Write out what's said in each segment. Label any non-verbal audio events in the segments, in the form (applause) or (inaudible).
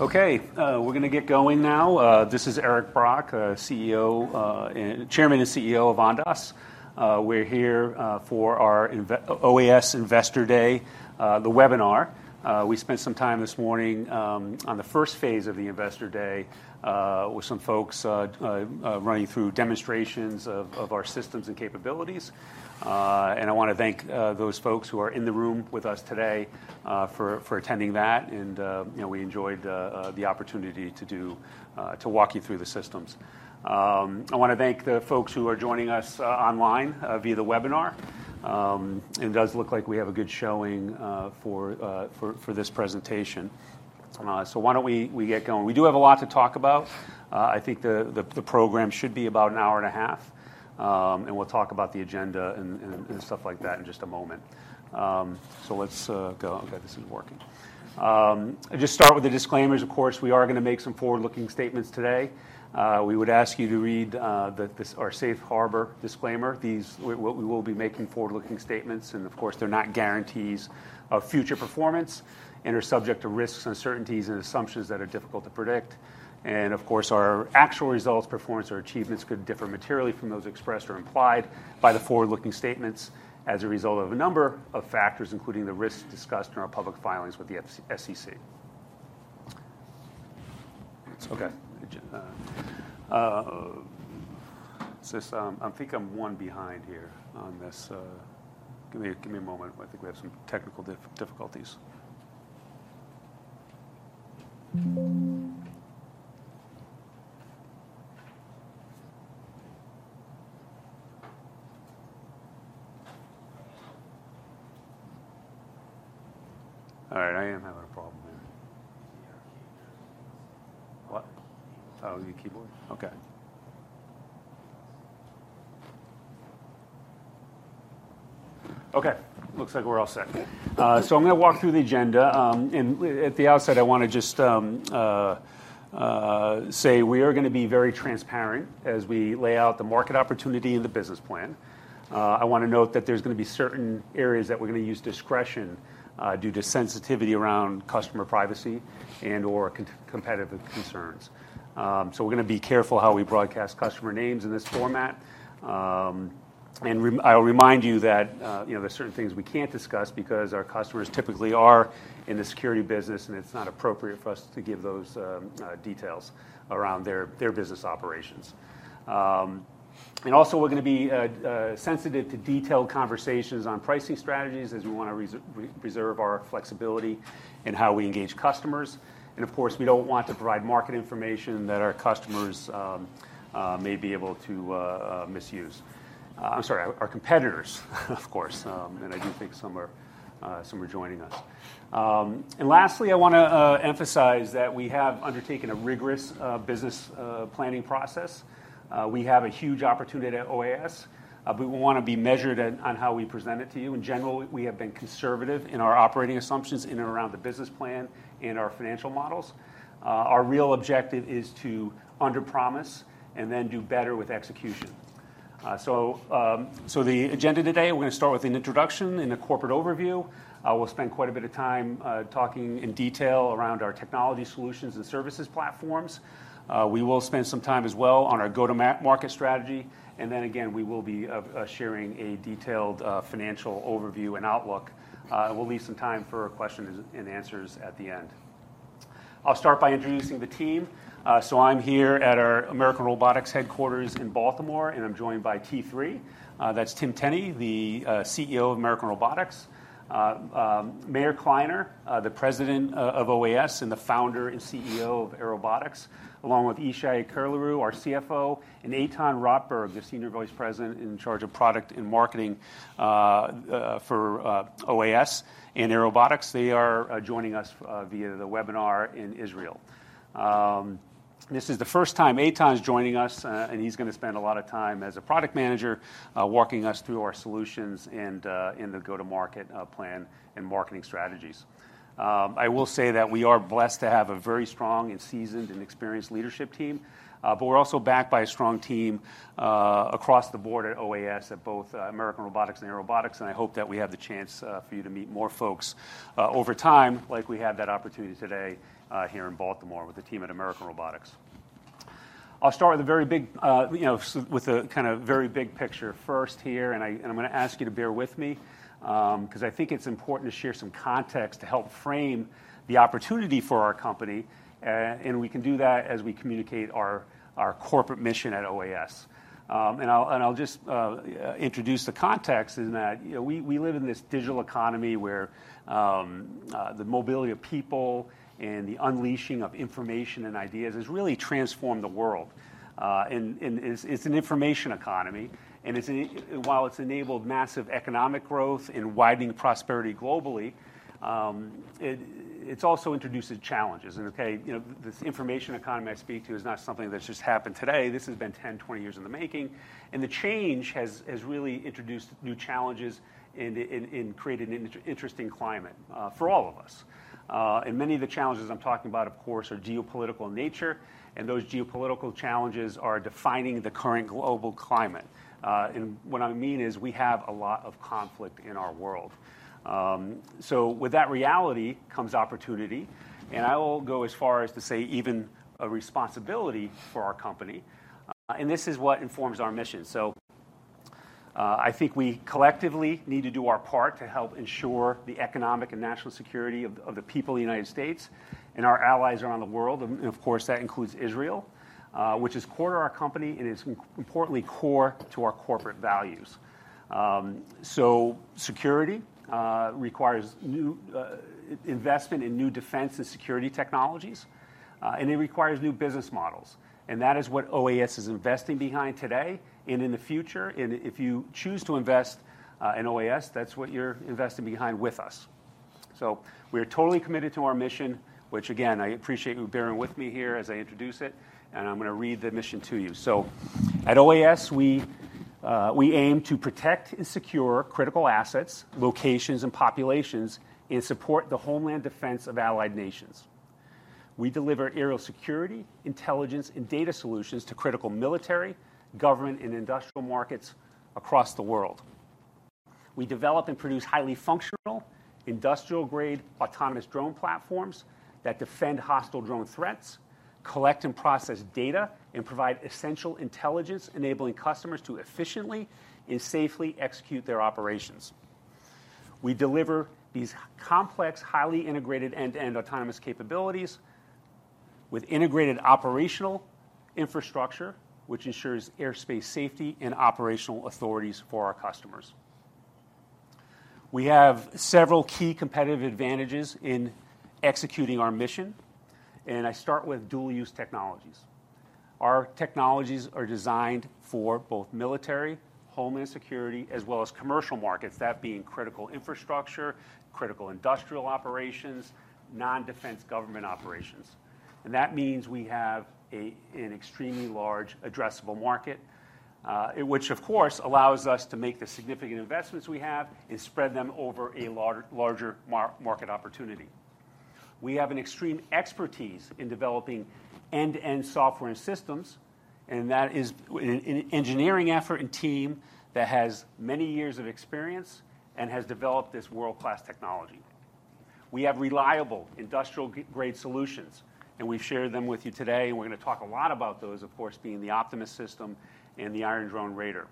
Okay, we're gonna get going now. This is Eric Brock, CEO and Chairman and CEO of Ondas. We're here for our OAS Investor Day, the webinar. We spent some time this morning on the first phase of the Investor Day with some folks running through demonstrations of our systems and capabilities. And I want to thank those folks who are in the room with us today for attending that, and you know, we enjoyed the opportunity to walk you through the systems. I wanna thank the folks who are joining us online via the webinar. It does look like we have a good showing for this presentation. Why don't we get going? We do have a lot to talk about. I think the program should be about an hour and a half, and we'll talk about the agenda and stuff like that in just a moment. So let's go. Okay, this isn't working. I'll just start with the disclaimers. Of course, we are gonna make some forward-looking statements today. We would ask you to read this, our safe harbor disclaimer. These. We will be making forward-looking statements, and of course, they're not guarantees of future performance and are subject to risks and uncertainties and assumptions that are difficult to predict. Of course, our actual results, performance, or achievements could differ materially from those expressed or implied by the forward-looking statements as a result of a number of factors, including the risks discussed in our public filings with the SEC. Okay. So this, I think I'm one behind here on this. Give me a moment. I think we have some technical difficulties. All right, I am having a problem here. ...What? Oh, the keyboard. Okay. Okay, looks like we're all set. So I'm gonna walk through the agenda. And at the outset, I wanna just say we are gonna be very transparent as we lay out the market opportunity and the business plan. I wanna note that there's gonna be certain areas that we're gonna use discretion due to sensitivity around customer privacy and/or competitive concerns. So we're gonna be careful how we broadcast customer names in this format. And I'll remind you that, you know, there are certain things we can't discuss because our customers typically are in the security business, and it's not appropriate for us to give those details around their business operations. We're gonna be sensitive to detailed conversations on pricing strategies, as we want to reserve our flexibility in how we engage customers. And of course, we don't want to provide market information that our customers may be able to misuse. I'm sorry, our competitors, of course, and I do think some are joining us. And lastly, I wanna emphasize that we have undertaken a rigorous business planning process. We have a huge opportunity at OAS. We wanna be measured on how we present it to you. In general, we have been conservative in our operating assumptions in and around the business plan and our financial models. Our real objective is to underpromise and then do better with execution. So the agenda today, we're gonna start with an introduction and a corporate overview. We'll spend quite a bit of time talking in detail around our technology solutions and services platforms. We will spend some time as well on our go-to-market strategy, and then again, we will be sharing a detailed financial overview and outlook. We'll leave some time for questions and answers at the end. I'll start by introducing the team. I'm here at our American Robotics headquarters in Baltimore, and I'm joined by T3. That's Tim Tenney, the CEO of American Robotics, Meir Kliner, the President of OAS, and the founder and CEO of Airobotics, along with Yishay Curelaru, our CFO, and Eitan Rotberg, the Senior Vice President in charge of product and marketing for OAS and Airobotics. They are joining us via the webinar in Israel. This is the first time Eitan's joining us, and he's gonna spend a lot of time as a product manager walking us through our solutions and the go-to-market plan and marketing strategies. I will say that we are blessed to have a very strong and seasoned and experienced leadership team, but we're also backed by a strong team across the board at OAS at both American Robotics and Airobotics, and I hope that we have the chance for you to meet more folks over time, like we had that opportunity today here in Baltimore with the team at American Robotics. I'll start with a very big, you know, with a kind of very big picture first here, and I'm gonna ask you to bear with me, 'cause I think it's important to share some context to help frame the opportunity for our company, and we can do that as we communicate our corporate mission at OAS. And I'll just introduce the context in that, you know, we live in this digital economy where the mobility of people and the unleashing of information and ideas has really transformed the world. And it's an information economy, and while it's enabled massive economic growth and widening prosperity globally, it also introduces challenges. Okay, you know, this information economy I speak to is not something that's just happened today. This has been 10, 20 years in the making, and the change has really introduced new challenges and created an interesting climate for all of us. And many of the challenges I'm talking about, of course, are geopolitical in nature, and those geopolitical challenges are defining the current global climate. What I mean is we have a lot of conflict in our world, so with that reality comes opportunity, and I will go as far as to say, even a responsibility for our company, and this is what informs our mission. I think we collectively need to do our part to help ensure the economic and national security of the people of the United States and our allies around the world. And of course, that includes Israel, which is core to our company and is importantly core to our corporate values, so security requires new investment in new defense and security technologies, and it requires new business models, and that is what OAS is investing behind today and in the future. And if you choose to invest in OAS, that's what you're investing behind with us. So we're totally committed to our mission, which, again, I appreciate you bearing with me here as I introduce it, and I'm going to read the mission to you. So at OAS, we aim to protect and secure critical assets, locations, and populations and support the homeland defense of allied nations. We deliver aerial security, intelligence, and data solutions to critical military, government, and industrial markets across the world. We develop and produce highly functional, industrial-grade autonomous drone platforms that defend hostile drone threats, collect and process data, and provide essential intelligence, enabling customers to efficiently and safely execute their operations. We deliver these complex, highly integrated, end-to-end autonomous capabilities with integrated operational infrastructure, which ensures airspace safety and operational authorities for our customers. We have several key competitive advantages in executing our mission, and I start with dual-use technologies. Our technologies are designed for both military, homeland security, as well as commercial markets, that being critical infrastructure, critical industrial operations, non-defense government operations. And that means we have an extremely large addressable market, which, of course, allows us to make the significant investments we have and spread them over a larger market opportunity. We have an extreme expertise in developing end-to-end software and systems, and that is an engineering effort and team that has many years of experience and has developed this world-class technology. We have reliable industrial grade solutions, and we've shared them with you today, and we're going to talk a lot about those, of course, being the Optimus System and the Iron Drone Raider.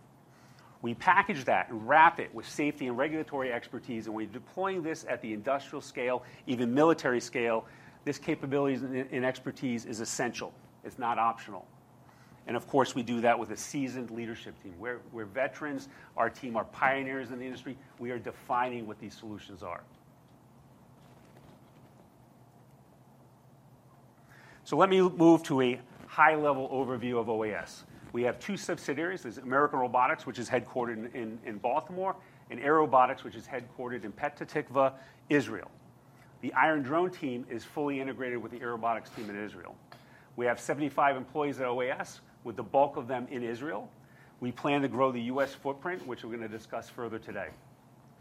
We package that and wrap it with safety and regulatory expertise, and we're deploying this at the industrial scale, even military scale. This capabilities and expertise is essential. It's not optional. And of course, we do that with a seasoned leadership team. We're veterans. Our team are pioneers in the industry. We are defining what these solutions are. So let me move to a high-level overview of OAS. We have two subsidiaries. There's American Robotics, which is headquartered in Baltimore, and Airobotics, which is headquartered in Petah Tikva, Israel. The Iron Drone team is fully integrated with the Airobotics team in Israel. We have 75 employees at OAS, with the bulk of them in Israel. We plan to grow the US footprint, which we're going to discuss further today.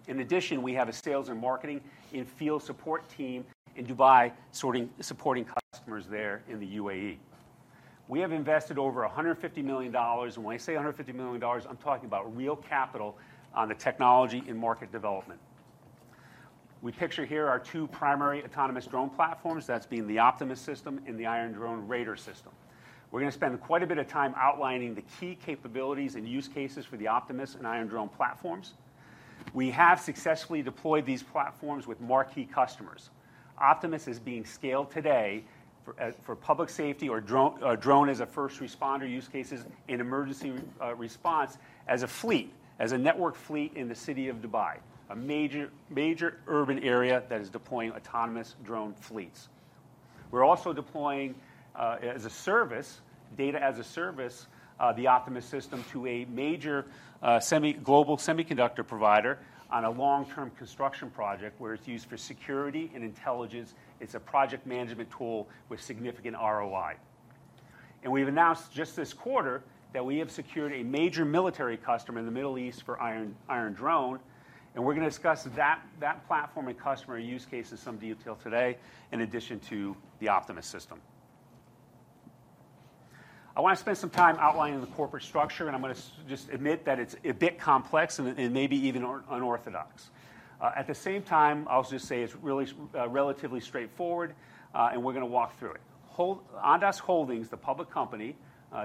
In addition, we have a sales and marketing and field support team in Dubai, supporting customers there in the UAE. We have invested over $150 million, and when I say $150 million, I'm talking about real capital on the technology and market development. We picture here our two primary autonomous drone platforms. That's being the Optimus system Iron Drone Raider system. we're going to spend quite a bit of time outlining the key capabilities and use cases for the Optimus and Iron Drone platforms. We have successfully deployed these platforms with marquee customers. Optimus is being scaled today for public safety or drone as a first responder use cases in emergency response as a fleet, as a networked fleet in the city of Dubai, a major, major urban area that is deploying autonomous drone fleets. We're also deploying as a service, data as a service, the Optimus system, to a major semi-global semiconductor provider on a long-term construction project, where it's used for security and intelligence. It's a project management tool with significant ROI, and we've announced just this quarter that we have secured a major military customer in the Middle East for Iron Drone, and we're going to discuss that platform and customer use case in some detail today, in addition to the Optimus system. I want to spend some time outlining the corporate structure, and I'm going to just admit that it's a bit complex and maybe even or unorthodox. At the same time, I'll just say it's really, relatively straightforward, and we're going to walk through it. Ondas Holdings, the public company,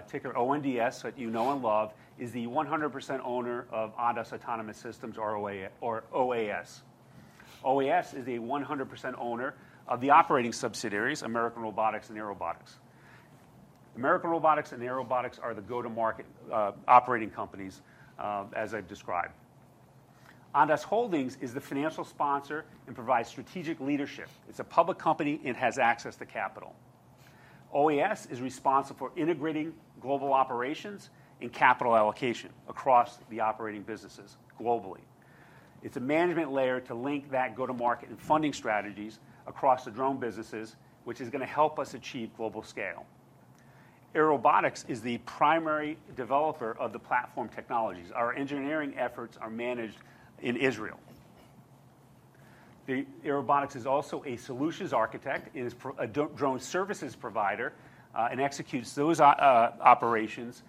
ticker ONDS, that you know and love, is the 100% owner of Ondas Autonomous Systems, OAS. OAS is a 100% owner of the operating subsidiaries, American Robotics and Airobotics. American Robotics and Airobotics are the go-to-market, operating companies, as I've described. Ondas Holdings is the financial sponsor and provides strategic leadership. It's a public company and has access to capital. OAS is responsible for integrating global operations and capital allocation across the operating businesses globally. It's a management layer to link that go-to-market and funding strategies across the drone businesses, which is going to help us achieve global scale. Airobotics is the primary developer of the platform technologies. Our engineering efforts are managed in Israel. The Airobotics is also a solutions architect and is a drone services provider, and executes those operations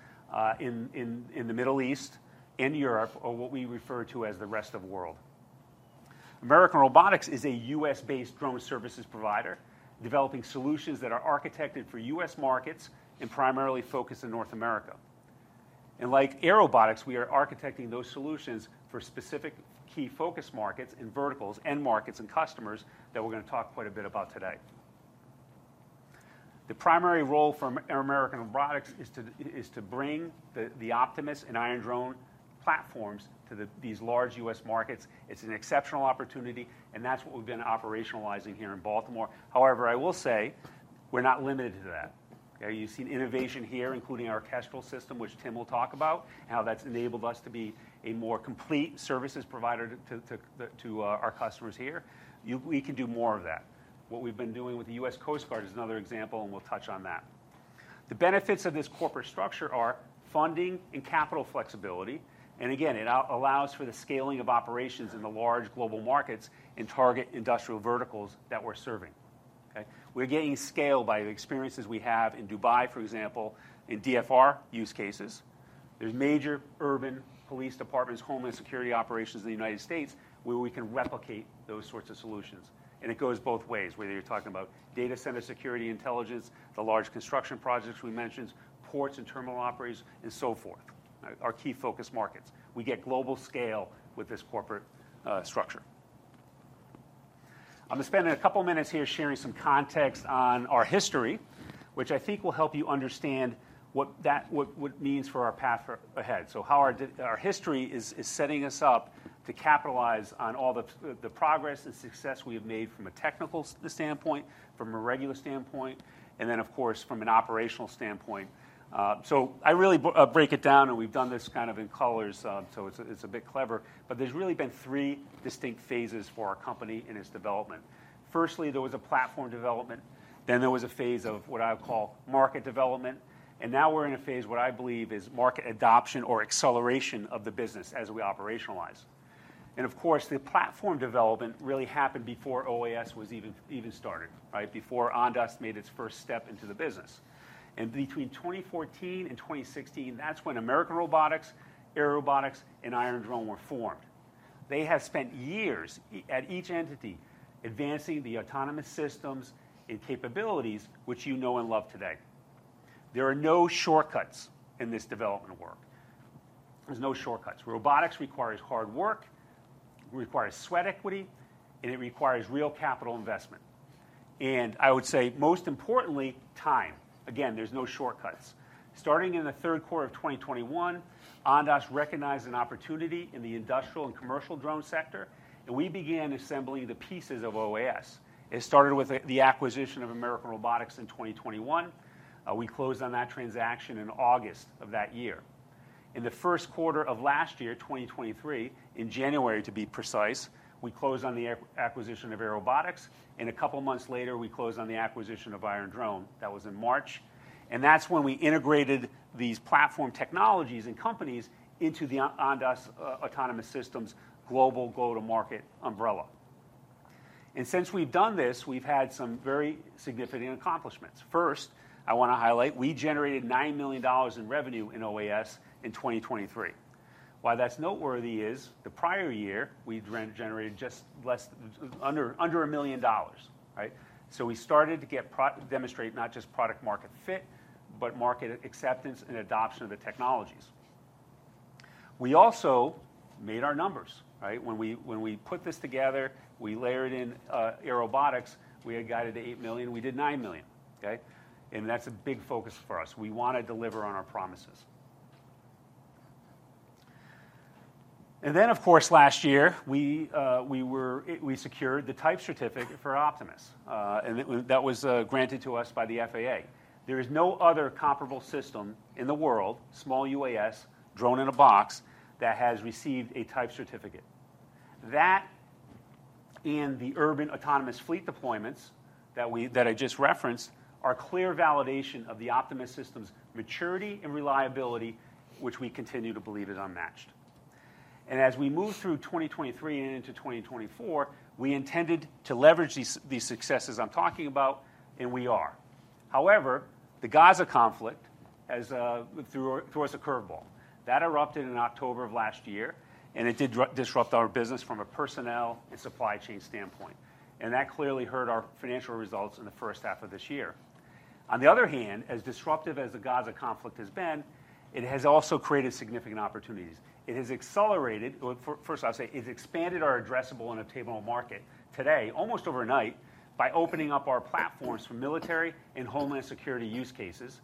in the Middle East and Europe, or what we refer to as the rest of the world. American Robotics is a US-based drone services provider, developing solutions that are architected for US markets and primarily focused in North America. And like Airobotics, we are architecting those solutions for specific key focus markets and verticals and markets and customers that we're going to talk quite a bit about today. The primary role for American Robotics is to bring the Optimus and Iron Drone platforms to these large U.S. markets. It's an exceptional opportunity, and that's what we've been operationalizing here in Baltimore. However, I will say we're not limited to that. Okay, you've seen innovation here, including our Kestrel system, which Tim will talk about, how that's enabled us to be a more complete services provider to our customers here. We can do more of that. What we've been doing with the U.S. Coast Guard is another example, and we'll touch on that. The benefits of this corporate structure are funding and capital flexibility, and again, it allows for the scaling of operations in the large global markets and target industrial verticals that we're serving. Okay? We're getting scale by the experiences we have in Dubai, for example, in DFR use cases. There's major urban police departments, homeland security operations in the United States, where we can replicate those sorts of solutions. And it goes both ways, whether you're talking about data center security intelligence, the large construction projects we mentioned, ports and terminal operators, and so forth. Our key focus markets. We get global scale with this corporate structure. I'm going to spend a couple of minutes here sharing some context on our history, which I think will help you understand what that means for our path ahead. So how our history is setting us up to capitalize on all the progress and success we have made from a technical standpoint, from a regulatory standpoint, and then, of course, from an operational standpoint. So I really break it down, and we've done this kind of in colors, so it's a bit clever, but there's really been three distinct phases for our company and its development. Firstly, there was a platform development, then there was a phase of what I would call market development, and now we're in a phase, what I believe is market adoption or acceleration of the business as we operationalize. And of course, the platform development really happened before OAS was even started, right? Before Ondas made its first step into the business. And between 2014 and 2016, that's when American Robotics, Airobotics, and Iron Drone were formed. They have spent years at each entity advancing the autonomous systems and capabilities, which you know and love today. There are no shortcuts in this development work. There's no shortcuts. Robotics requires hard work, it requires sweat equity, and it requires real capital investment. And I would say, most importantly, time. Again, there's no shortcuts. Starting in the third quarter of 2021, Ondas recognized an opportunity in the industrial and commercial drone sector, and we began assembling the pieces of OAS. It started with the acquisition of American Robotics in 2021. We closed on that transaction in August of that year. In the first quarter of last year, 2023, in January, to be precise, we closed on the acquisition of Airobotics, and a couple of months later, we closed on the acquisition of Iron Drone. That was in March, and that's when we integrated these platform technologies and companies into the Ondas Autonomous Systems global go-to-market umbrella. And since we've done this, we've had some very significant accomplishments. First, I want to highlight we generated $9 million in revenue in OAS in 2023. Why that's noteworthy is the prior year, we'd generated just under $1 million, right? So we started to demonstrate not just product market fit, but market acceptance and adoption of the technologies. We also made our numbers, right? When we put this together, we layered in Airobotics. We had guided to $8 million. We did $9 million, okay? That's a big focus for us. We want to deliver on our promises. Then, of course, last year, we secured the Type Certificate for Optimus, and that was granted to us by the FAA. There is no other comparable system in the world, small UAS, drone-in-a-box, that has received a Type Certificate. That and the urban autonomous fleet deployments that I just referenced are clear validation of the Optimus System's maturity and reliability, which we continue to believe is unmatched. And as we move through 2023 and into 2024, we intended to leverage these successes I'm talking about, and we are. However, the Gaza conflict has threw us a curveball. That erupted in October of last year, and it did disrupt our business from a personnel and supply chain standpoint, and that clearly hurt our financial results in the first half of this year. On the other hand, as disruptive as the Gaza conflict has been, it has also created significant opportunities. It has accelerated. Well, first, I'll say, it's expanded our addressable and attainable market today, almost overnight, by opening up our platforms for military and homeland security use cases.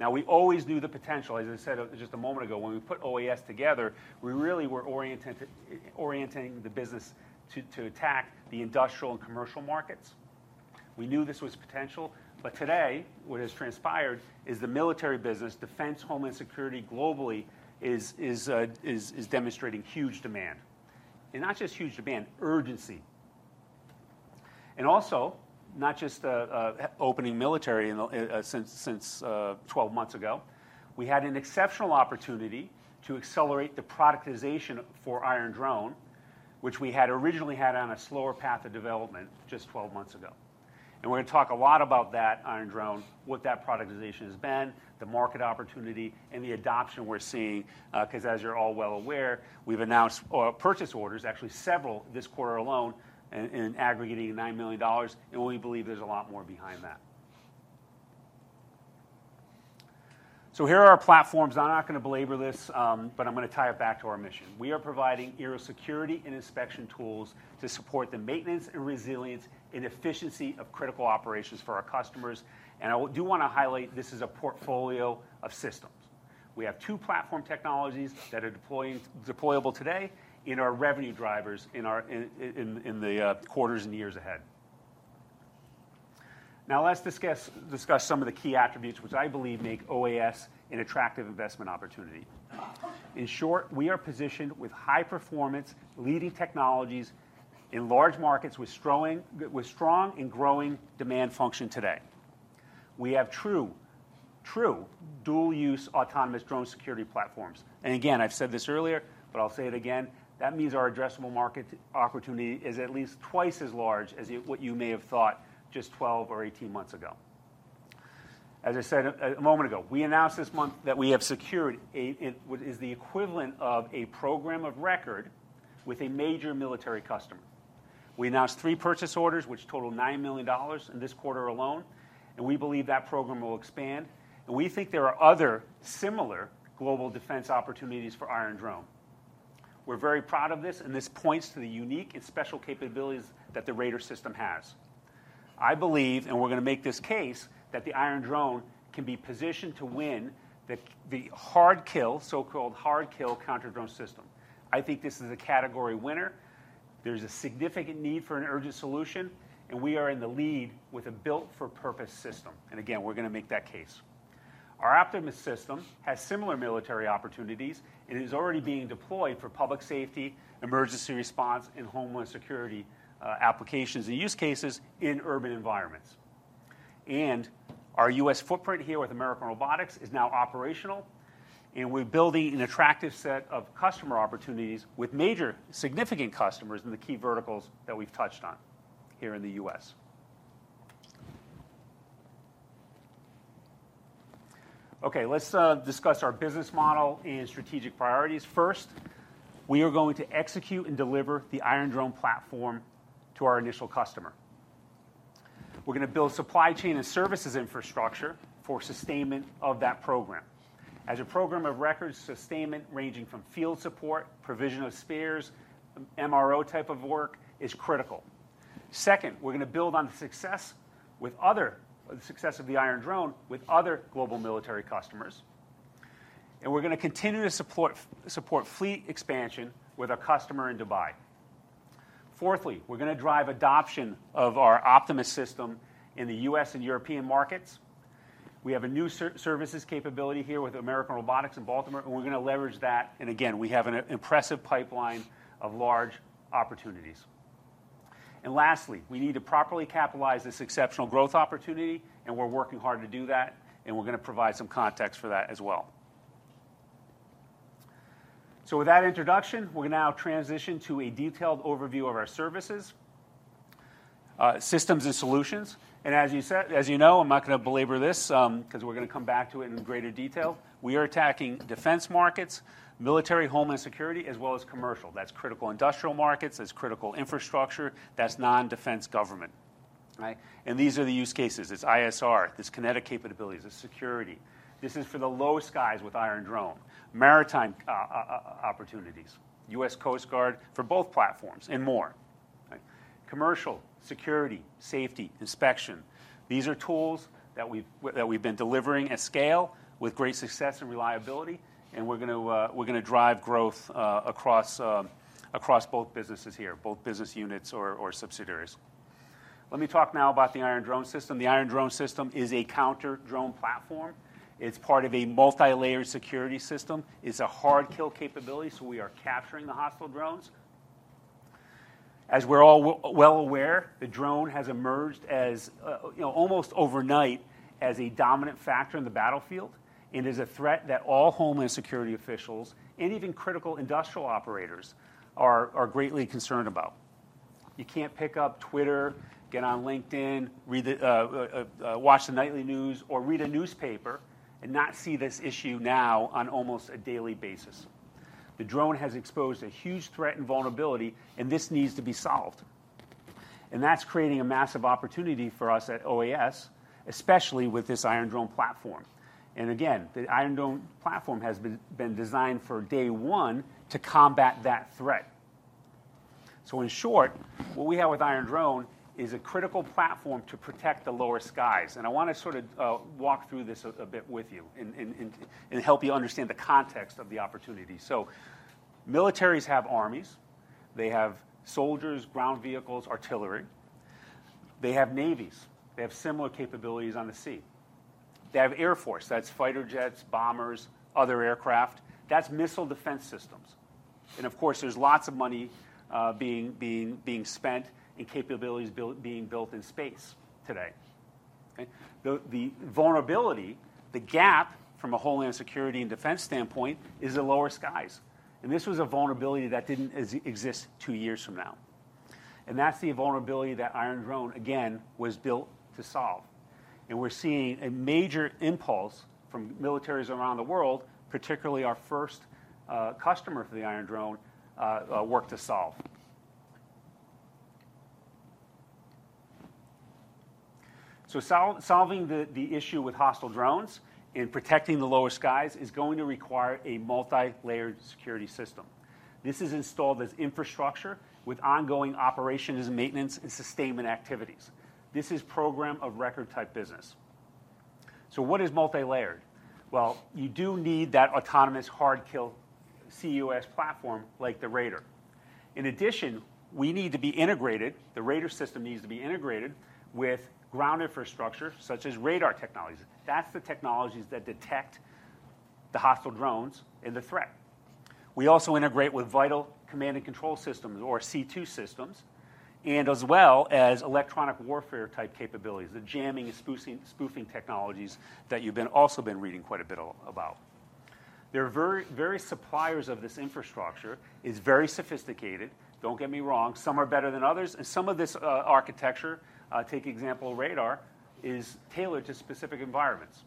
Now, we always knew the potential. As I said just a moment ago, when we put OAS together, we really were oriented to orienting the business to attack the industrial and commercial markets. We knew this was potential, but today, what has transpired is the military business, defense, homeland security globally, is demonstrating huge demand. And not just huge demand, urgency. And also, not just opening military in the since 12 months ago. We had an exceptional opportunity to accelerate the productization for Iron Drone, which we had originally had on a slower path of development just 12 months ago. And we're gonna talk a lot about that Iron Drone, what that productization has been, the market opportunity, and the adoption we're seeing, 'cause as you're all well aware, we've announced purchase orders, actually several this quarter alone, in aggregating $9 million, and we believe there's a lot more behind that. So here are our platforms. I'm not gonna belabor this, but I'm gonna tie it back to our mission. We are providing aerosecurity and inspection tools to support the maintenance and resilience and efficiency of critical operations for our customers, and I do wanna highlight this is a portfolio of systems. We have two platform technologies that are deployable today in our revenue drivers, in the quarters and years ahead. Now, let's discuss some of the key attributes which I believe make OAS an attractive investment opportunity. In short, we are positioned with high performance, leading technologies in large markets with strong and growing demand function today. We have true dual-use autonomous drone security platforms, and again, I've said this earlier, but I'll say it again, that means our addressable market opportunity is at least twice as large as what you may have thought just 12 or 18 months ago. As I said a moment ago, we announced this month that we have secured, in what is the equivalent of a Program of Record with a major military customer. We announced 3 purchase orders, which total $9 million in this quarter alone, and we believe that program will expand, and we think there are other similar global defense opportunities for Iron Drone. We're very proud of this, and this points to the unique and special capabilities that the Raider system has. I believe, and we're gonna make this case, that the Iron Drone can be positioned to win the, the hard kill, so-called hard kill, counter-drone system. I think this is a category winner. There's a significant need for an urgent solution, and we are in the lead with a built-for-purpose system, and again, we're gonna make that case. Our Optimus System has similar military opportunities and is already being deployed for public safety, emergency response, and homeland security, applications and use cases in urban environments, and our U.S. footprint here with American Robotics is now operational, and we're building an attractive set of customer opportunities with major, significant customers in the key verticals that we've touched on here in the U.S. Let's discuss our business model and strategic priorities. First, we are going to execute and deliver the Iron Drone platform to our initial customer. We're gonna build supply chain and services infrastructure for sustainment of that program. As a program of record, sustainment ranging from field support, provision of spares, MRO type of work is critical. Second, we're gonna build on the success of the Iron Drone with other global military customers, and we're gonna continue to support fleet expansion with our customer in Dubai. Fourthly, we're gonna drive adoption of our Optimus system in the U.S. and European markets. We have a new services capability here with American Robotics in Baltimore, and we're gonna leverage that, and again, we have an impressive pipeline of large opportunities. Lastly, we need to properly capitalize this exceptional growth opportunity, and we're working hard to do that, and we're gonna provide some context for that as well. With that introduction, we're gonna now transition to a detailed overview of our services, systems, and solutions, and as you know, I'm not gonna belabor this, 'cause we're gonna come back to it in greater detail. We are attacking defense markets, military, home, and security, as well as commercial. That's critical industrial markets, that's critical infrastructure, that's non-defense government. Right? These are the use cases. It's ISR, it's kinetic capabilities, it's security. This is for the low skies with Iron Drone. Maritime opportunities, US Coast Guard for both platforms and more. Right? Commercial, security, safety, inspection, these are tools that we've been delivering at scale with great success and reliability, and we're gonna drive growth across both businesses here, both business units or subsidiaries. Let me talk now about the Iron Drone system. The Iron Drone system is a counter-drone platform. It's part of a multilayered security system. It's a hard kill capability, so we are capturing the hostile drones. As we're all well aware, the drone has emerged as, you know, almost overnight as a dominant factor in the battlefield and is a threat that all homeland security officials and even critical industrial operators are greatly concerned about. You can't pick up Twitter, get on LinkedIn, read the, watch the nightly news or read a newspaper and not see this issue now on almost a daily basis. The drone has exposed a huge threat and vulnerability, and this needs to be solved. And that's creating a massive opportunity for us at OAS, especially with this Iron Drone platform. And again, the Iron Drone platform has been designed for day one to combat that threat. So in short, what we have with Iron Drone is a critical platform to protect the lower skies, and I wanna sort of walk through this a bit with you and help you understand the context of the opportunity. So militaries have armies. They have soldiers, ground vehicles, artillery. They have navies. They have similar capabilities on the sea. They have air force. That's fighter jets, bombers, other aircraft. That's missile defense systems, and of course, there's lots of money being spent and capabilities being built in space today. Okay? The vulnerability, the gap from a homeland security and defense standpoint, is the lower skies, and this was a vulnerability that didn't exist two years from now. And that's the vulnerability that Iron Drone, again, was built to solve. And we're seeing a major impulse from militaries around the world, particularly our first customer for the Iron Drone work to solve. So solving the issue with hostile drones and protecting the lower skies is going to require a multilayered security system. This is installed as infrastructure with ongoing operations, maintenance, and sustainment activities. This is Program of Record-type business. So what is multilayered? You do need that autonomous hard kill C-UAS platform like the Raider. In addition, we need to be integrated, the Raider system needs to be integrated with ground infrastructure, such as radar technologies. That's the technologies that detect the hostile drones and the threat. We also integrate with vital command and control systems, or C2 systems, and as well as electronic warfare-type capabilities, the jamming and spoofing technologies that you've been reading quite a bit about. There are various suppliers of this infrastructure. It's very sophisticated. Don't get me wrong, some are better than others, and some of this architecture, take example, radar, is tailored to specific environments.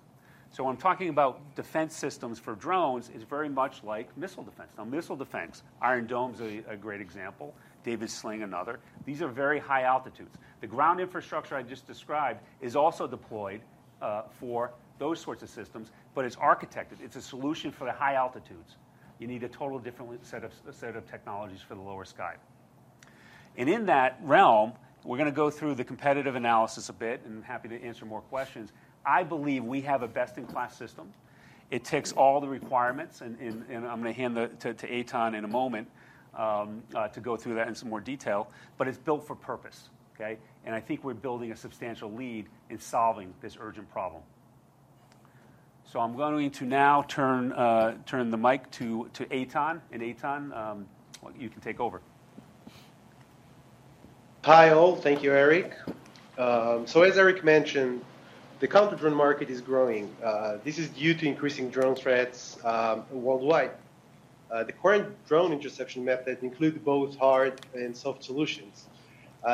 So when talking about defense systems for drones is very much like missile defense. Now, missile defense, Iron Dome is a great example, David's Sling, another. These are very high altitudes. The ground infrastructure I just described is also deployed for those sorts of systems, but it's architected. It's a solution for the high altitudes. You need a total different set of technologies for the lower sky. In that realm, we're gonna go through the competitive analysis a bit, and I'm happy to answer more questions. I believe we have a best-in-class system. It ticks all the requirements, and I'm gonna hand it to Eitan in a moment to go through that in some more detail, but it's built for purpose, okay? I think we're building a substantial lead in solving this urgent problem. So I'm going to now turn the mic to Eitan. Eitan, you can take over. Hi, all. Thank you, Eric. So as Eric mentioned, the counter drone market is growing. This is due to increasing drone threats worldwide. The current drone interception method include both hard and soft solutions.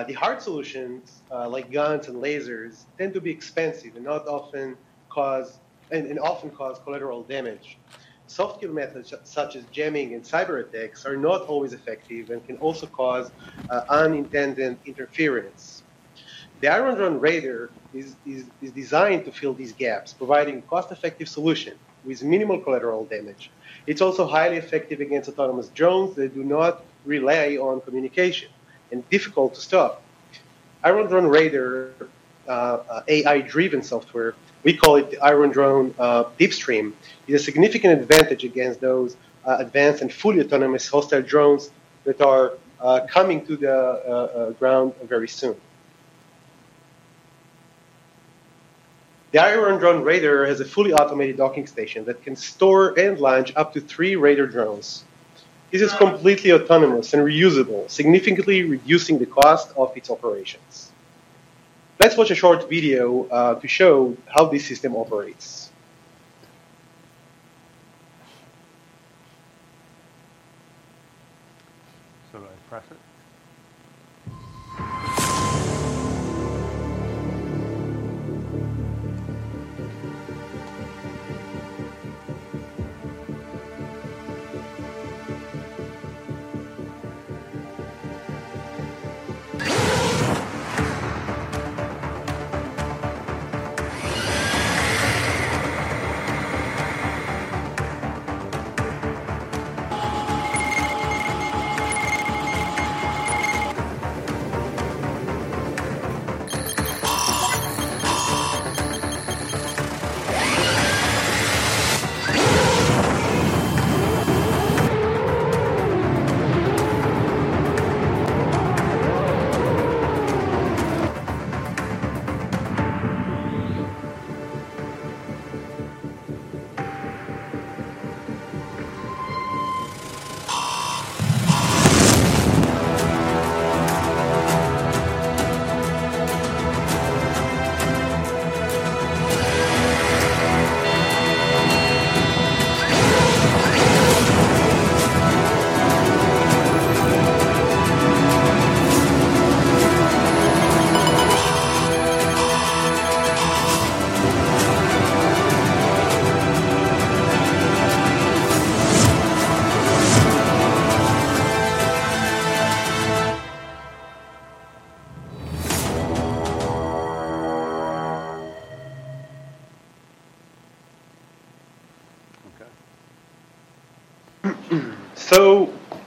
The hard solutions, like guns and lasers, tend to be expensive and often cause collateral damage. Soft kill methods, such as jamming and cyberattacks, are not always effective and can also cause unintended interference. The Iron Drone Raider is designed to fill these gaps, providing cost-effective solution with minimal collateral damage. It's also highly effective against autonomous drones that do not rely on communication and difficult to stop. Iron Drone Raider, AI-driven software, we call it the Iron DeepStream. It's a significant advantage against those advanced and fully autonomous hostile drones that are coming to the Iron Drone Raider system has a fully automated docking station that can store and launch up to three Raider drones. This is completely autonomous and reusable, significantly reducing the cost of its operations. Let's watch a short video to show how this system operates.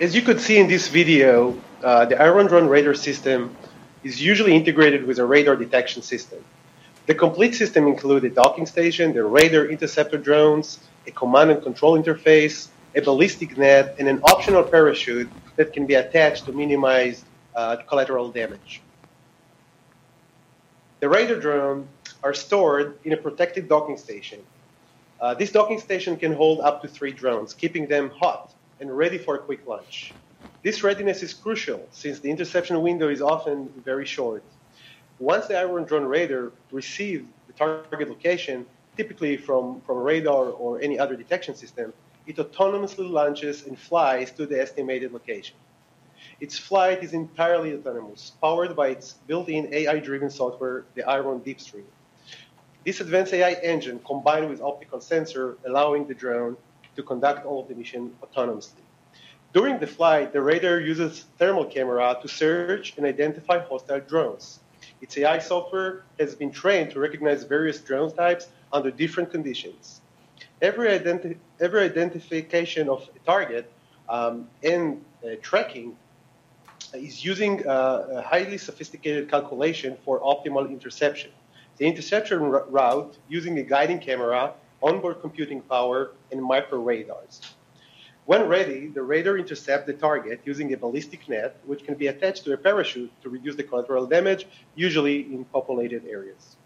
As you could see in this Iron Drone Raider system is usually integrated with a radar detection system. The complete system includes a docking station, the Raider interceptor drones, a command and control interface, a ballistic net, and an optional parachute that can be attached to minimize collateral damage. The Raider drones are stored in a protected docking station. This docking station can hold up to three drones, keeping them hot and ready for a quick launch. This readiness is crucial since the interception window is often very short. Once the Iron Drone Raider receives the target location, typically from a radar or any other detection system, it autonomously launches and flies to the estimated location. Its flight is entirely autonomous, powered by its built-in AI-driven software, the Iron DeepStream. This advanced AI engine, combined with optical sensor, allowing the drone to conduct all of the mission autonomously. During the flight, the Raider uses thermal camera to search and identify hostile drones. Its AI software has been trained to recognize various drone types under different conditions. Every identification of a target, and tracking is using a highly sophisticated calculation for optimal interception. The interception route, using a guiding camera, onboard computing power, and micro radars. When ready, the Raider intercept the target using a ballistic net, which can be attached to a parachute to reduce the collateral damage, usually in populated areas.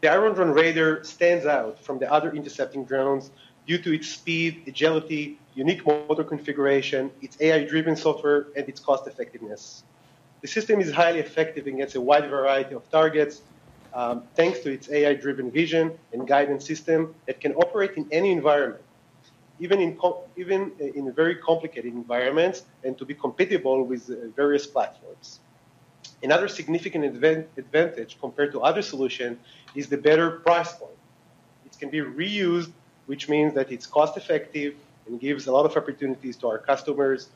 The Iron Drone Raider stands out from the other intercepting drones due to its speed, agility, unique motor configuration, its AI-driven software, and its cost effectiveness. The system is highly effective against a wide variety of targets, thanks to its AI-driven vision and guidance system. It can operate in any environment, even in very complicated environments, and to be compatible with various platforms. Another significant advantage compared to other solution is the better price point. It can be reused, which means that it's cost effective and gives a lot of opportunities to our customers,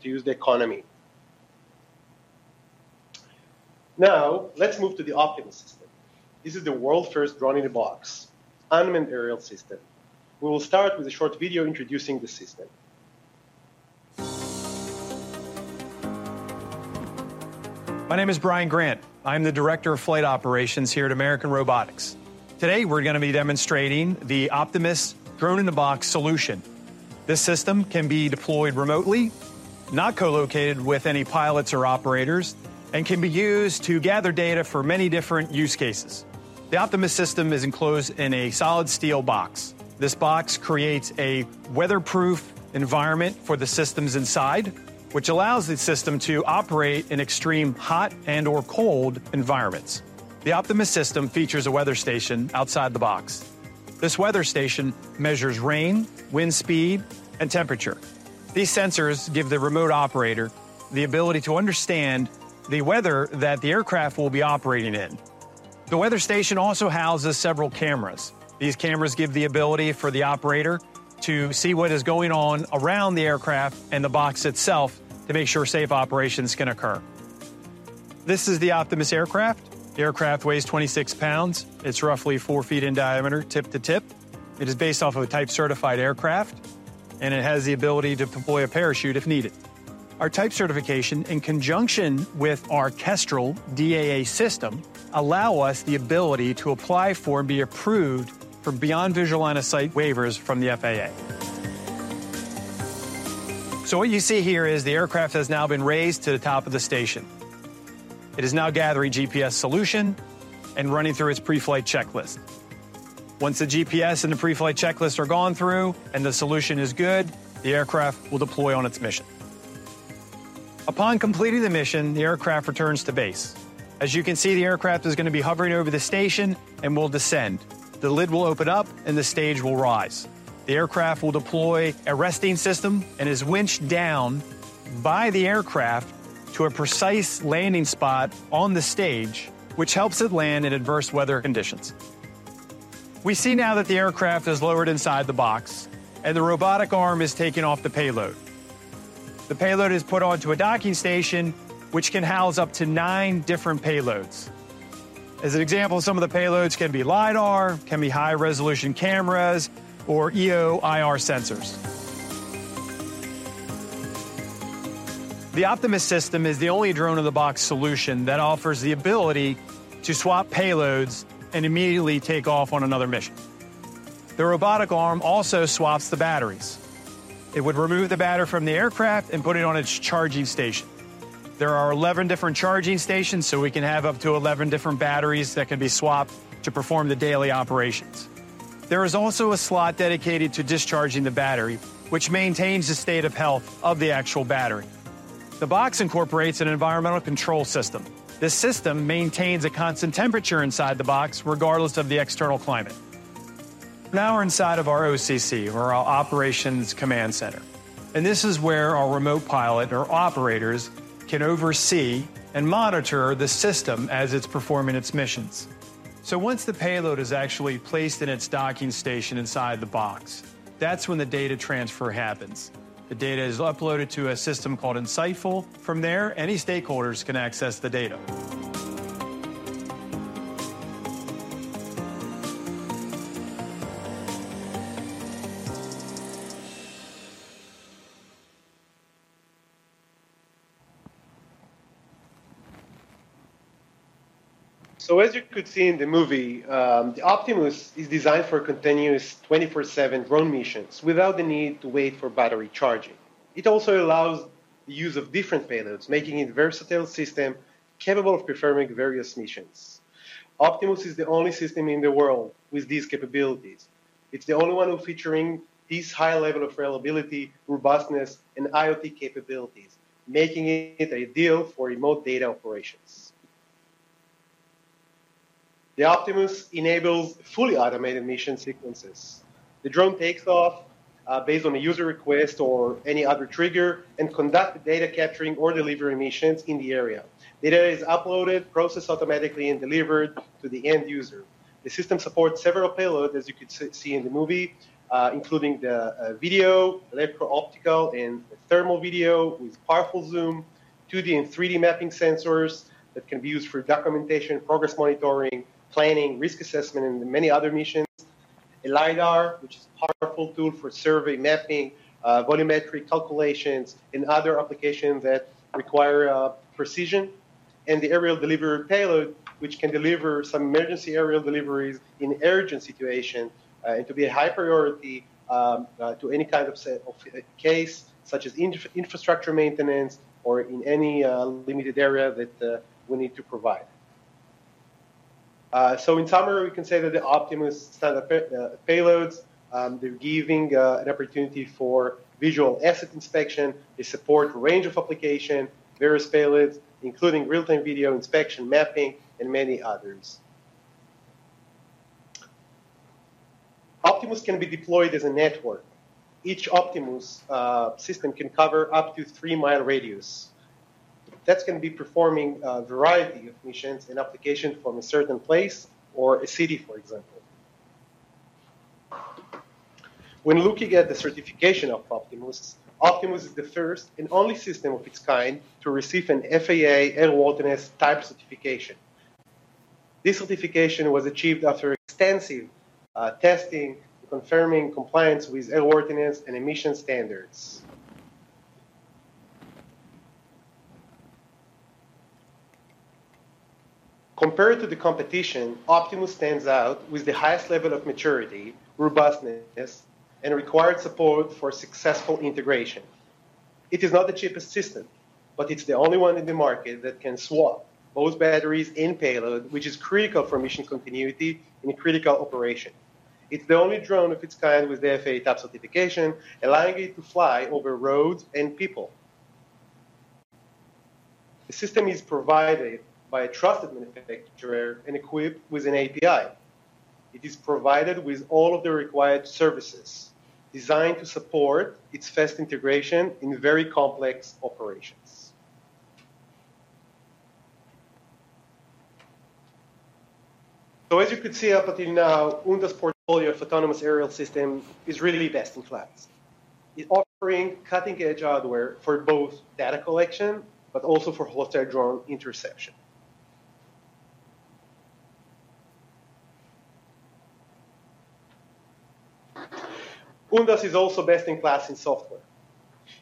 to use the economy. Now, let's move to the Optimus System. This is the world's first drone-in-a-box unmanned aerial system. We will start with a short video introducing the system. My name is Brian Grant. I'm the Director of Flight Operations here at American Robotics. Today, we're going to be demonstrating the Optimus drone-in-a-box solution. This system can be deployed remotely, not co-located with any pilots or operators, and can be used to gather data for many different use cases. The Optimus system is enclosed in a solid steel box. This box creates a weatherproof environment for the systems inside, which allows the system to operate in extreme hot and/or cold environments. The Optimus system features a weather station outside the box. This weather station measures rain, wind speed, and temperature. These sensors give the remote operator the ability to understand the weather that the aircraft will be operating in. The weather station also houses several cameras. These cameras give the ability for the operator to see what is going on around the aircraft and the box itself to make sure safe operations can occur. This is the Optimus aircraft. The aircraft weighs twenty-six pounds. It's roughly four feet in diameter, tip to tip. It is based off of a type-certified aircraft, and it has the ability to deploy a parachute if needed. Our type certification, in conjunction with our Kestrel DAA system, allow us the ability to apply for and be approved for beyond visual line of sight waivers from the FAA, so what you see here is the aircraft has now been raised to the top of the station. It is now gathering GPS solution and running through its pre-flight checklist. Once the GPS and the pre-flight checklist are gone through and the solution is good, the aircraft will deploy on its mission. Upon completing the mission, the aircraft returns to base. As you can see, the aircraft is going to be hovering over the station and will descend. The lid will open up, and the stage will rise. The aircraft will deploy a resting system and is winched down by the aircraft to a precise landing spot on the stage, which helps it land in adverse weather conditions. We see now that the aircraft is lowered inside the box, and the robotic arm is taking off the payload. The payload is put onto a docking station, which can house up to nine different payloads. As an example, some of the payloads can be LiDAR, can be high-resolution cameras, or EO/IR sensors. The Optimus System is the only drone-in-a-box solution that offers the ability to swap payloads and immediately take off on another mission. The robotic arm also swaps the batteries. It would remove the battery from the aircraft and put it on its charging station. There are 11 different charging stations, so we can have up to 11 different batteries that can be swapped to perform the daily operations. There is also a slot dedicated to discharging the battery, which maintains the state of health of the actual battery. The box incorporates an environmental control system. This system maintains a constant temperature inside the box, regardless of the external climate. Now we're inside of our OCC, or our Operations Command Center, and this is where our remote pilot or operators can oversee and monitor the system as it's performing its missions. So once the payload is actually placed in its docking station inside the box, that's when the data transfer happens. The data is uploaded to a system called Insightful. From there, any stakeholders can access the data. As you could see in the movie, the Optimus is designed for continuous 24/7 drone missions without the need to wait for battery charging. It also allows the use of different payloads, making it a versatile system capable of performing various missions. Optimus is the only system in the world with these capabilities. It's the only one who featuring this high level of reliability, robustness, and IoT capabilities, making it ideal for remote data operations. The Optimus enables fully automated mission sequences. The drone takes off based on a user request or any other trigger, and conduct the data capturing or delivery missions in the area. Data is uploaded, processed automatically, and delivered to the end user. The system supports several payload, as you could see in the movie, including the video, electro-optical, and the thermal video with powerful zoom, 2D and 3D mapping sensors that can be used for documentation, progress monitoring, planning, risk assessment, and many other missions. A LiDAR, which is a powerful tool for survey, mapping, volumetric calculations, and other applications that require precision. The aerial delivery payload, which can deliver some emergency aerial deliveries in urgent situation, and to be a high priority to any kind of set of case, such as infrastructure maintenance or in any limited area that we need to provide. In summary, we can say that the Optimus set of payloads, they're giving an opportunity for visual asset inspection. They support a range of application, various payloads, including real-time video inspection, mapping, and many others. Optimus can be deployed as a network. Each Optimus system can cover up to three-mile radius. That's gonna be performing a variety of missions and applications from a certain place or a city, for example. When looking at the certification of Optimus, Optimus is the first and only system of its kind to receive an FAA Airworthiness Type Certification. This certification was achieved after extensive testing, confirming compliance with airworthiness and emission standards. Compared to the competition, Optimus stands out with the highest level of maturity, robustness, and required support for successful integration. It is not the cheapest system, but it's the only one in the market that can swap both batteries and payload, which is critical for mission continuity in a critical operation. It's the only drone of its kind with the FAA Type Certification, allowing it to fly over roads and people. The system is provided by a trusted manufacturer and equipped with an API. It is provided with all of the required services designed to support its fast integration in very complex operations. So as you could see up until now, Ondas's portfolio of autonomous aerial system is really best in class. It's offering cutting-edge hardware for both data collection, but also for hostile drone interception. Ondas is also best in class in software.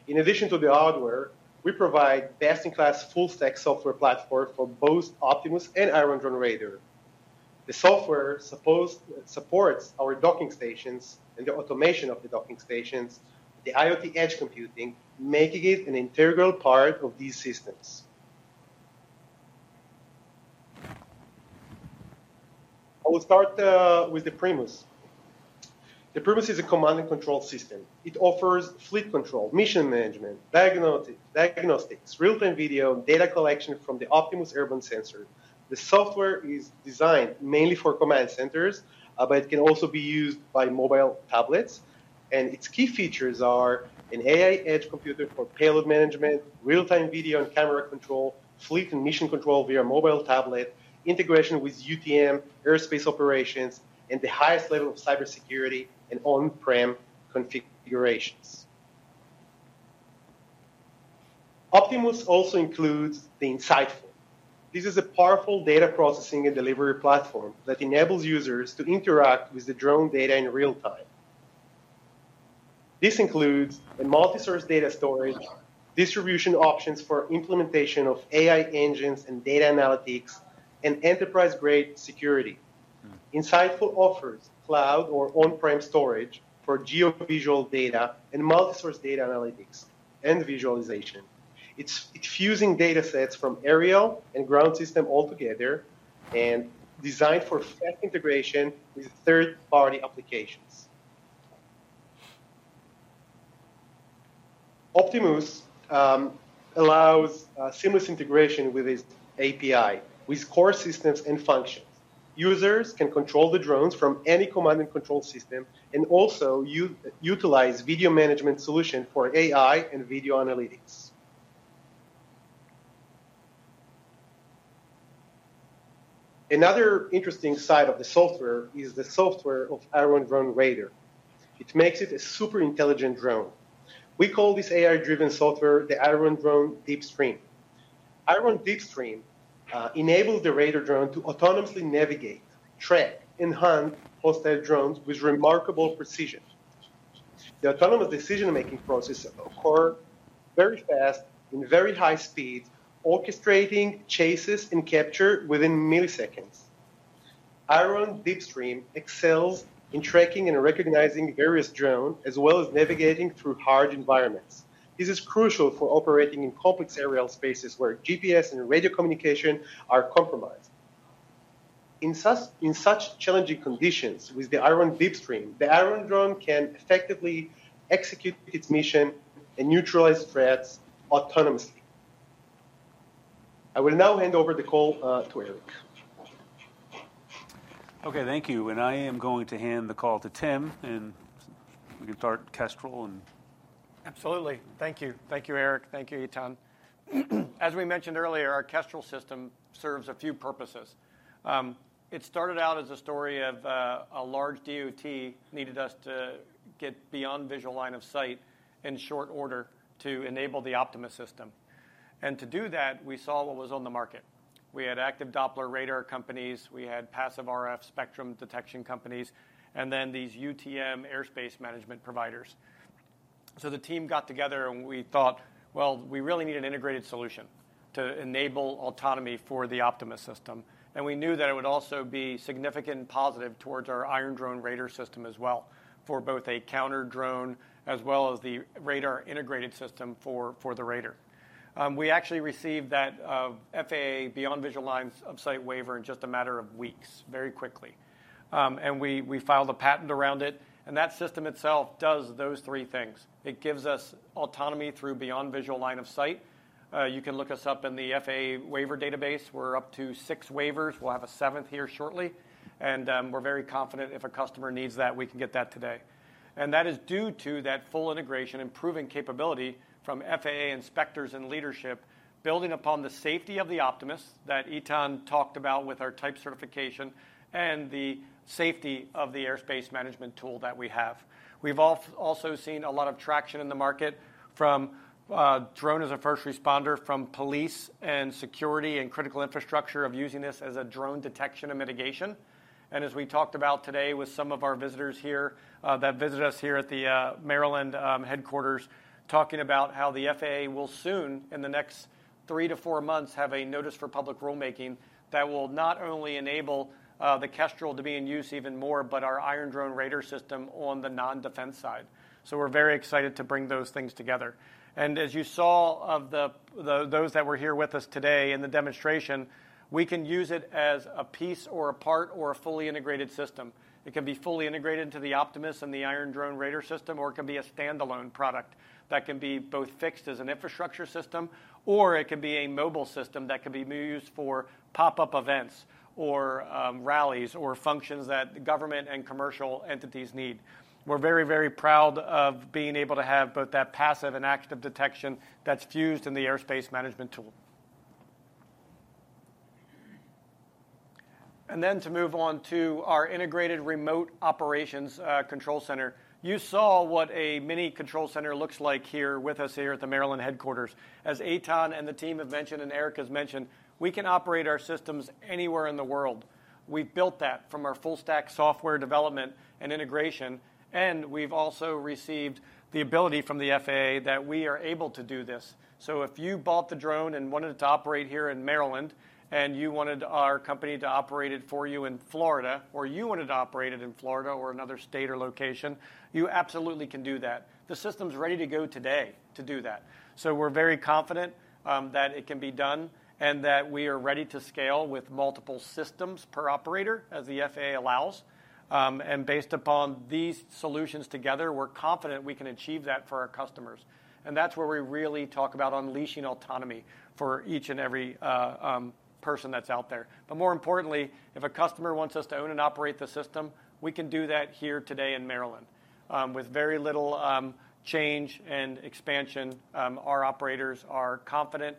In addition to the hardware, we provide best-in-class full stack software platform for both Optimus and Iron Drone Raider. The software supports our docking stations and the automation of the docking stations, the IoT edge computing, making it an integral part of these systems. I will start with the Primus. The Primus is a command and control system. It offers fleet control, mission management, diagnostic, real-time video, and data collection from the Optimus airborne sensor. The software is designed mainly for command centers, but it can also be used by mobile tablets, and its key features are an AI edge computer for payload management, real-time video and camera control, fleet and mission control via mobile tablet, integration with UTM airspace operations, and the highest level of cybersecurity and on-prem configurations. Optimus also includes the Insightful. This is a powerful data processing and delivery platform that enables users to interact with the drone data in real time. This includes a multi-source data storage, distribution options for implementation of AI engines and data analytics, and enterprise-grade security. Insightful offers cloud or on-prem storage for geo-visual data and multi-source data analytics and visualization. It's fusing data sets from aerial and ground system all together, and designed for fast integration with third-party applications. Optimus allows seamless integration with its API, with core systems and functions. Users can control the drones from any command and control system, and also utilize video management solution for AI and video analytics. Another interesting side of the software is the software of Iron Drone Raider. It makes it a super intelligent drone. We call this AI-driven software the Iron DeepStream. Iron DeepStream enables the radar drone to autonomously navigate, track, and hunt hostile drones with remarkable precision. The autonomous decision-making process occur very fast, in very high speeds, orchestrating chases and capture within milliseconds. Iron DeepStream excels in tracking and recognizing various drone, as well as navigating through hard environments. This is crucial for operating in complex aerial spaces where GPS and radio communication are compromised. In such challenging conditions, with the Iron DeepStream, the Iron Drone can effectively execute its mission and neutralize threats autonomously. I will now hand over the call to Eric. Okay, thank you. And I am going to hand the call to Tim, and we can start Kestrel. Absolutely. Thank you. Thank you, Eric. Thank you, Eitan. As we mentioned earlier, our Kestrel system serves a few purposes. It started out as a story of a large DOT needed us to get beyond visual line of sight in short order to enable the Optimus system. And to do that, we saw what was on the market. We had active Doppler radar companies, we had passive RF spectrum detection companies, and then these UTM airspace management providers. So the team got together, and we thought, "Well, we really need an integrated solution to enable autonomy for the Optimus system." And we knew that it would also be significant and positive Iron Drone Raider system as well, for both a counter-drone as well as the radar-integrated system for the radar. We actually received that FAA beyond visual lines of sight waiver in just a matter of weeks, very quickly. And we filed a patent around it, and that system itself does those three things. It gives us autonomy through beyond visual line of sight. You can look us up in the FAA waiver database. We're up to six waivers. We'll have a seventh here shortly, and we're very confident if a customer needs that, we can get that today. And that is due to that full integration and proving capability from FAA inspectors and leadership, building upon the safety of the Optimus that Eitan talked about with our type certification and the safety of the airspace management tool that we have. We've also seen a lot of traction in the market from drone as a first responder, from police and security and critical infrastructure of using this as a drone detection and mitigation. And as we talked about today with some of our visitors here that visited us here at the Maryland headquarters, talking about how the FAA will soon, in the next three to four months, have a notice for public rulemaking that will not only enable the Kestrel to be in use even more, Iron Drone Raider system on the non-defense side. So we're very excited to bring those things together. And as you saw of those that were here with us today in the demonstration, we can use it as a piece or a part or a fully integrated system. It can be fully integrated into the Optimus Iron Drone Raider system, or it can be a standalone product that can be both fixed as an infrastructure system, or it can be a mobile system that can be used for pop-up events or, rallies or functions that government and commercial entities need. We're very, very proud of being able to have both that passive and active detection that's fused in the airspace management tool. And then to move on to our integrated remote operations control center. You saw what a mini control center looks like here with us here at the Maryland headquarters. As Eitan and the team have mentioned, and Eric has mentioned, we can operate our systems anywhere in the world. We've built that from our full-stack software development and integration, and we've also received the ability from the FAA that we are able to do this, so if you bought the drone and wanted it to operate here in Maryland, and you wanted our company to operate it for you in Florida, or you wanted to operate it in Florida or another state or location, you absolutely can do that. The system's ready to go today to do that, so we're very confident that it can be done and that we are ready to scale with multiple systems per operator, as the FAA allows, and based upon these solutions together, we're confident we can achieve that for our customers, and that's where we really talk about unleashing autonomy for each and every person that's out there. But more importantly, if a customer wants us to own and operate the system, we can do that here today in Maryland. With very little change and expansion, our operators are confident,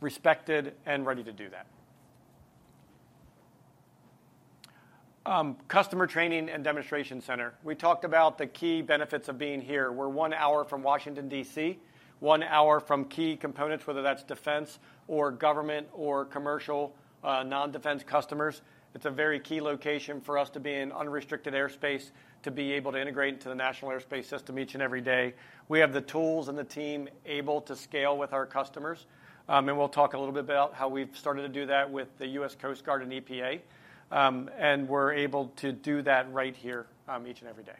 respected, and ready to do that. Customer training and demonstration center. We talked about the key benefits of being here. We're one hour from Washington, D.C., one hour from key components, whether that's defense or government or commercial, non-defense customers. It's a very key location for us to be in unrestricted airspace, to be able to integrate into the National Airspace System each and every day. We have the tools and the team able to scale with our customers, and we'll talk a little bit about how we've started to do that with the U.S. Coast Guard and EPA. We're able to do that right here, each and every day.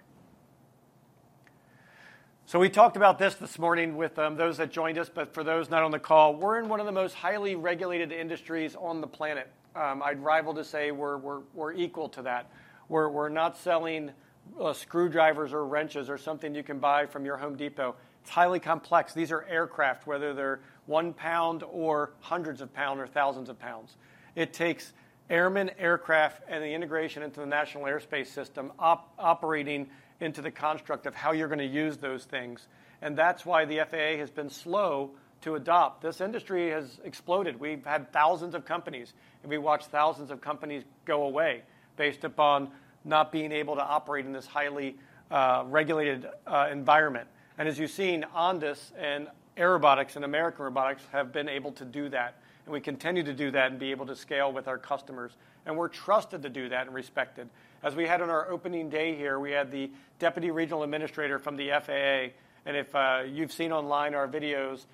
We talked about this this morning with those that joined us, but for those not on the call, we're in one of the most highly regulated industries on the planet. I'd venture to say we're equal to that. We're not selling screwdrivers or wrenches or something you can buy from your Home Depot. It's highly complex. These are aircraft, whether they're one pound or hundreds of pounds or thousands of pounds. It takes airmen, aircraft, and the integration into the National Airspace System, operating into the construct of how you're going to use those things, and that's why the FAA has been slow to adopt. This industry has exploded. We've had thousands of companies, and we've watched thousands of companies go away based upon not being able to operate in this highly regulated environment. As you've seen, Ondas and Airobotics and American Robotics have been able to do that, and we continue to do that and be able to scale with our customers, and we're trusted to do that and respected. As we had on our opening day here, we had the deputy regional administrator from the FAA, and if you've seen online our videos,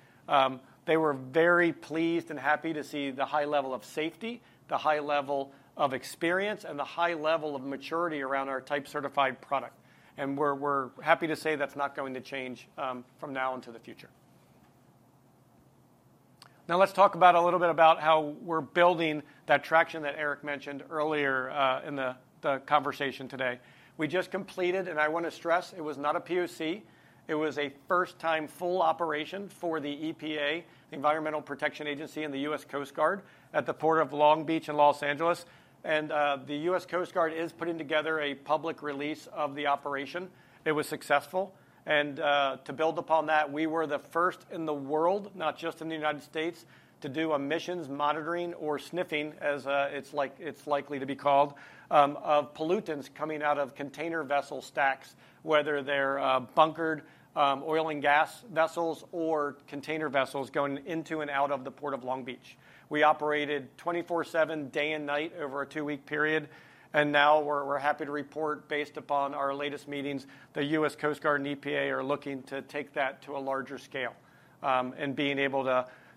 they were very pleased and happy to see the high level of safety, the high level of experience, and the high level of maturity around our type-certified product. We're happy to say that's not going to change from now into the future. Now let's talk about a little bit about how we're building that traction that Eric mentioned earlier in the conversation today. We just completed, and I want to stress, it was not a POC, it was a first-time full operation for the EPA, the Environmental Protection Agency, and the US Coast Guard at the Port of Long Beach in Los Angeles. And the US Coast Guard is putting together a public release of the operation. It was successful, and to build upon that, we were the first in the world, not just in the United States, to do emissions monitoring or sniffing, as it's likely to be called, of pollutants coming out of container vessel stacks, whether they're bunkered oil and gas vessels or container vessels going into and out of the Port of Long Beach. We operated 24/7, day and night, over a two-week period, and now we're happy to report, based upon our latest meetings, the US Coast Guard and EPA are looking to take that to a larger scale, and being able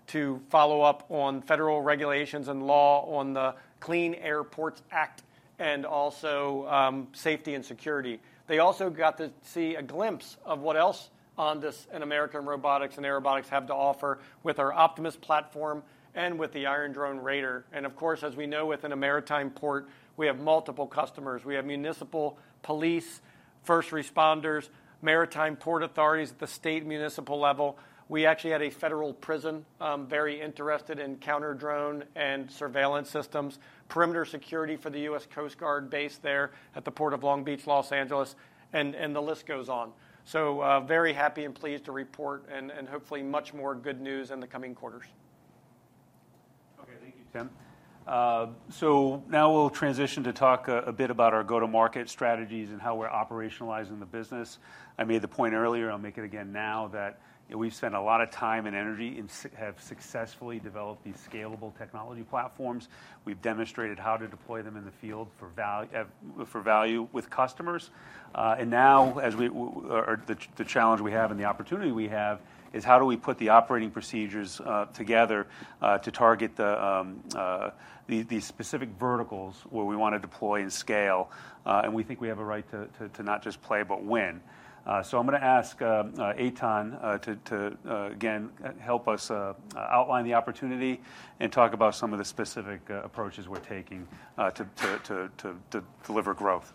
to follow up on federal regulations and law on the Clean Airports Act and also safety and security. They also got to see a glimpse of what else Ondas and American Robotics and Airobotics have to offer with our Optimus platform and with the Iron Drone Raider. And of course, as we know, within a maritime port, we have multiple customers. We have municipal police, first responders, maritime port authorities at the state municipal level. We actually had a federal prison very interested in counter-drone and surveillance systems, perimeter security for the US Coast Guard base there at the Port of Long Beach, Los Angeles, and the list goes on. So, very happy and pleased to report, and hopefully much more good news in the coming quarters. Okay, thank you, Tim. So now we'll transition to talk a bit about our go-to-market strategies and how we're operationalizing the business. I made the point earlier. I'll make it again now, that we've spent a lot of time and energy and have successfully developed these scalable technology platforms. We've demonstrated how to deploy them in the field for value with customers. Now, the challenge we have and the opportunity we have is how do we put the operating procedures together to target these specific verticals where we want to deploy and scale? We think we have a right to not just play, but win. So I'm gonna ask Eitan to again help us outline the opportunity and talk about some of the specific approaches we're taking to deliver growth.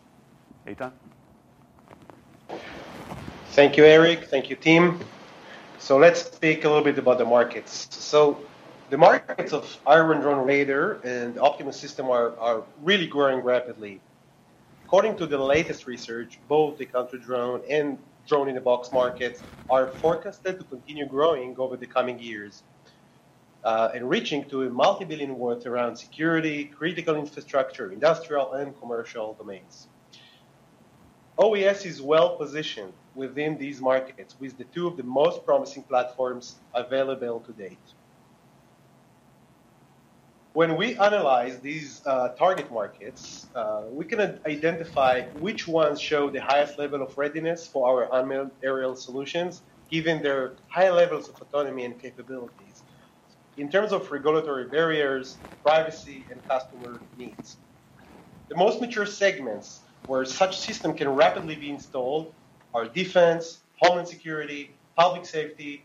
Eitan? Thank you, Eric. Thank you, Tim. So let's speak a little bit about the markets. So the markets of Iron Drone Raider and the Optimus System are really growing rapidly. According to the latest research, both the counter drone and drone-in-a-box markets are forecasted to continue growing over the coming years, and reaching to a multi-billion worth around security, critical infrastructure, industrial, and commercial domains. OAS is well-positioned within these markets, with the two of the most promising platforms available to date. When we analyze these target markets, we can identify which ones show the highest level of readiness for our unmanned aerial solutions, given their high levels of autonomy and capabilities in terms of regulatory barriers, privacy, and customer needs. The most mature segments where such system can rapidly be installed are defense, homeland security, public safety,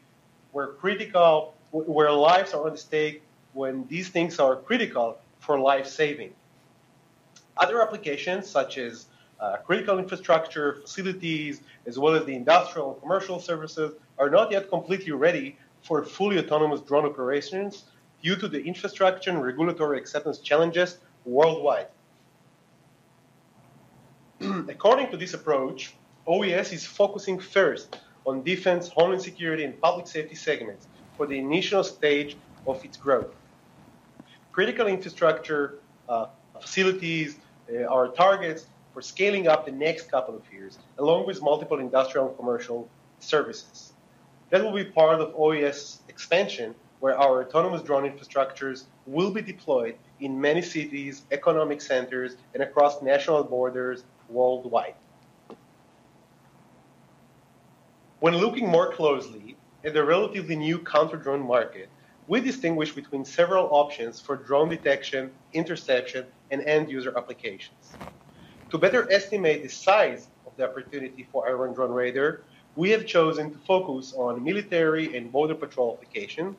where critical, where lives are at stake, when these things are critical for life-saving. Other applications, such as critical infrastructure facilities, as well as the industrial and commercial services, are not yet completely ready for fully autonomous drone operations due to the infrastructure and regulatory acceptance challenges worldwide. According to this approach, OAS is focusing first on defense, homeland security, and public safety segments for the initial stage of its growth. Critical infrastructure facilities are targets for scaling up the next couple of years, along with multiple industrial and commercial services. That will be part of OAS expansion, where our autonomous drone infrastructures will be deployed in many cities, economic centers, and across national borders worldwide. When looking more closely at the relatively new counter-drone market, we distinguish between several options for drone detection, interception, and end-user applications. To better estimate the size of the opportunity for Iron Drone Raider, we have chosen to focus on military and border patrol application,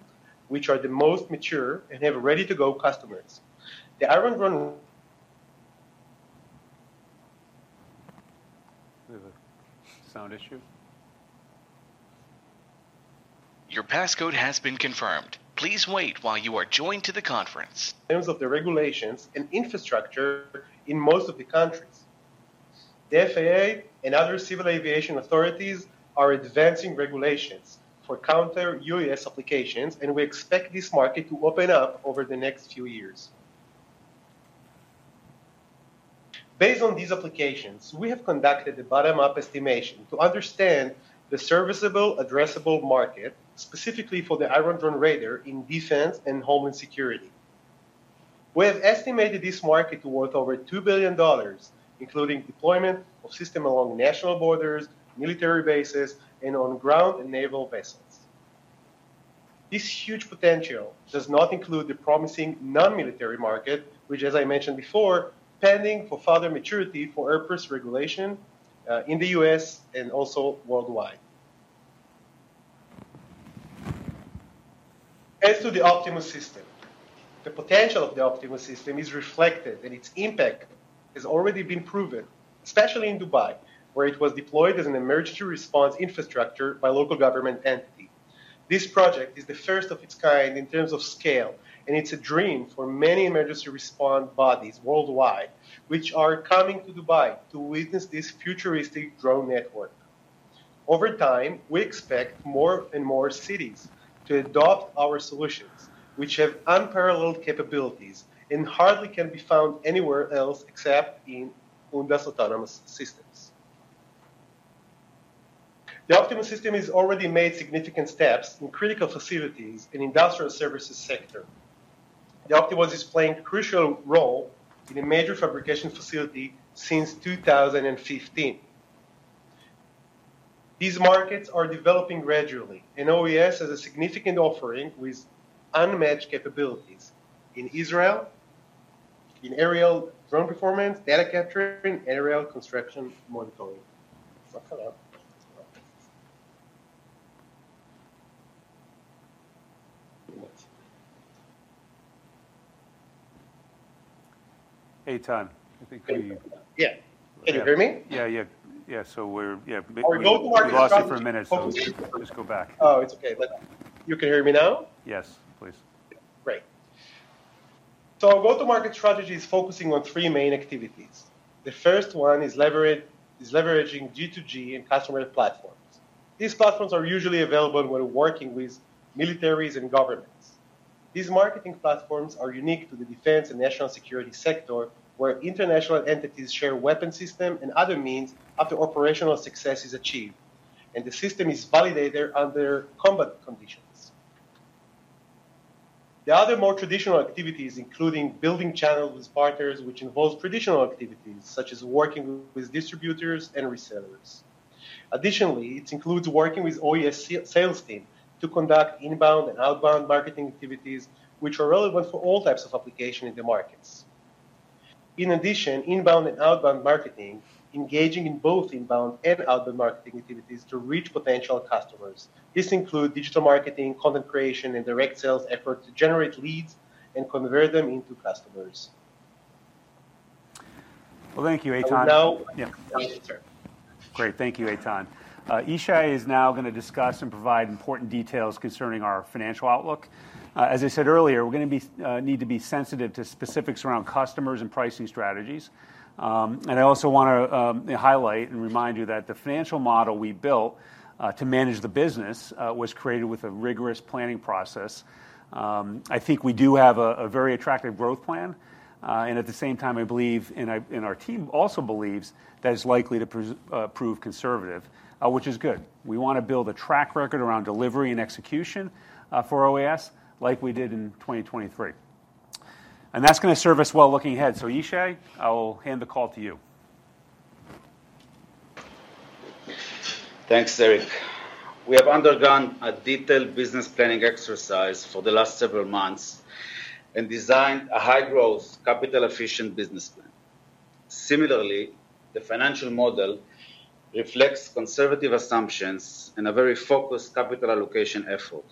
which are the most mature and have ready-to-go customers. The Iron Drone.. (crosstalk) In terms of the regulations and infrastructure in most of the countries, the FAA and other civil aviation authorities are advancing regulations for counter-UAS applications, and we expect this market to open up over the next few years. Based on these applications, we have conducted a bottom-up estimation to understand the serviceable addressable market, specifically Iron Drone Raider system in defense and homeland security. We have estimated this market to be worth over $2 billion, including deployment of system along national borders, military bases, and on ground and naval vessels. This huge potential does not include the promising non-military market, which, as I mentioned before, pending for further maturity for airspace regulation in the US and also worldwide. As to the Optimus System, the potential of the Optimus System is reflected, and its impact has already been proven, especially in Dubai, where it was deployed as an emergency response infrastructure by local government entity. This project is the first of its kind in terms of scale, and it's a dream for many emergency response bodies worldwide, which are coming to Dubai to witness this futuristic drone network. Over time, we expect more and more cities to adopt our solutions, which have unparalleled capabilities and hardly can be found anywhere else except in Ondas Autonomous Systems. The Optimus System has already made significant steps in critical facilities in industrial services sector. The Optimus is playing a crucial role in a major fabrication facility since 2015. These markets are developing gradually, and OAS has a significant offering with unmatched capabilities in Israel, in aerial drone performance, data capturing, and aerial construction monitoring. So hold on. Hey, Eitan. I think we- Yeah. Can you hear me? Yeah, so we're... Our go-to-market strategy- We lost you for a minute, so just go back. Oh, it's okay. But you can hear me now? Yes, please. Great. Our go-to-market strategy is focusing on three main activities. The first one is leveraging G2G and customer platforms. These platforms are usually available when working with militaries and governments. These marketing platforms are unique to the defense and national security sector, where international entities share weapon system and other means after operational success is achieved, and the system is validated under combat conditions. The other more traditional activities, including building channels with partners, which involves traditional activities such as working with distributors and resellers. Additionally, it includes working with OAS sales team to conduct inbound and outbound marketing activities, which are relevant for all types of application in the markets. In addition, inbound and outbound marketing, engaging in both inbound and outbound marketing activities to reach potential customers. This includes digital marketing, content creation, and direct sales efforts to generate leads and convert them into customers. Thank you, Eitan. (inaudible) Great. Thank you, Eitan. Yishay is now gonna discuss and provide important details concerning our financial outlook. As I said earlier, we're gonna need to be sensitive to specifics around customers and pricing strategies. And I also want to highlight and remind you that the financial model we built to manage the business was created with a rigorous planning process. I think we do have a very attractive growth plan, and at the same time, I believe and our team also believes that it's likely to prove conservative, which is good. We wanna build a track record around delivery and execution for OAS, like we did in 2023. And that's gonna serve us well looking ahead. So, Yishay, I'll hand the call to you. Thanks, Eric. We have undergone a detailed business planning exercise for the last several months and designed a high-growth, capital-efficient business plan. Similarly, the financial model reflects conservative assumptions and a very focused capital allocation effort.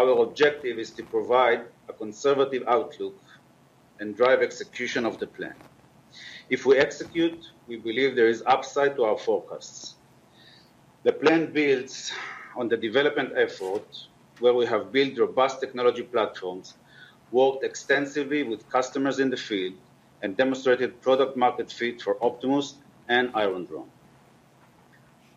Our objective is to provide a conservative outlook and drive execution of the plan. If we execute, we believe there is upside to our forecasts. The plan builds on the development effort, where we have built robust technology platforms, worked extensively with customers in the field, and demonstrated product market fit for Optimus and Iron Drone.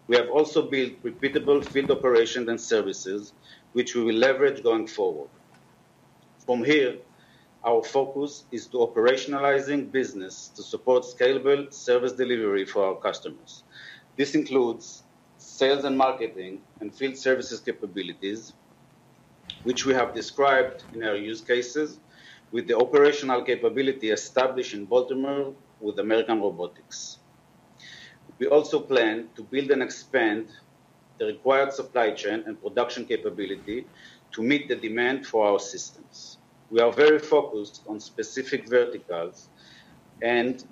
We have also built repeatable field operations and services, which we will leverage going forward. From here, our focus is to operationalizing business to support scalable service delivery for our customers. This includes sales and marketing and field services capabilities, which we have described in our use cases, with the operational capability established in Baltimore with American Robotics. We also plan to build and expand the required supply chain and production capability to meet the demand for our systems. We are very focused on specific verticals and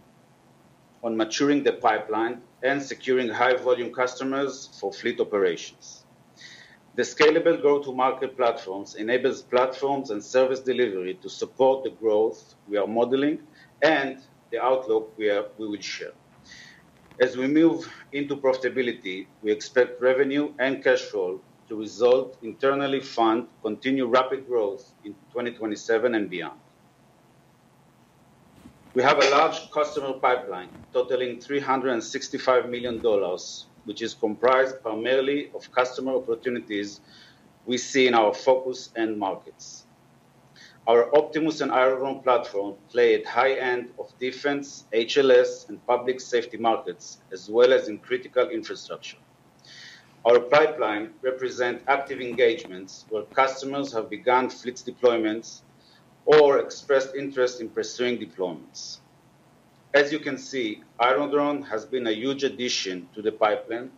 on maturing the pipeline and securing high-volume customers for fleet operations. The scalable go-to-market platforms enables platforms and service delivery to support the growth we are modeling and the outlook we will share. As we move into profitability, we expect revenue and cash flow to result internally fund continued rapid growth in 2027 and beyond. We have a large customer pipeline totaling $365 million, which is comprised primarily of customer opportunities we see in our focus and markets. Our Optimus and Iron Drone platform play at high end of defense, HLS, and public safety markets, as well as in critical infrastructure. Our pipeline represent active engagements, where customers have begun fleet deployments or expressed interest in pursuing deployments. As you can see, Iron Drone has been a huge addition to the pipeline,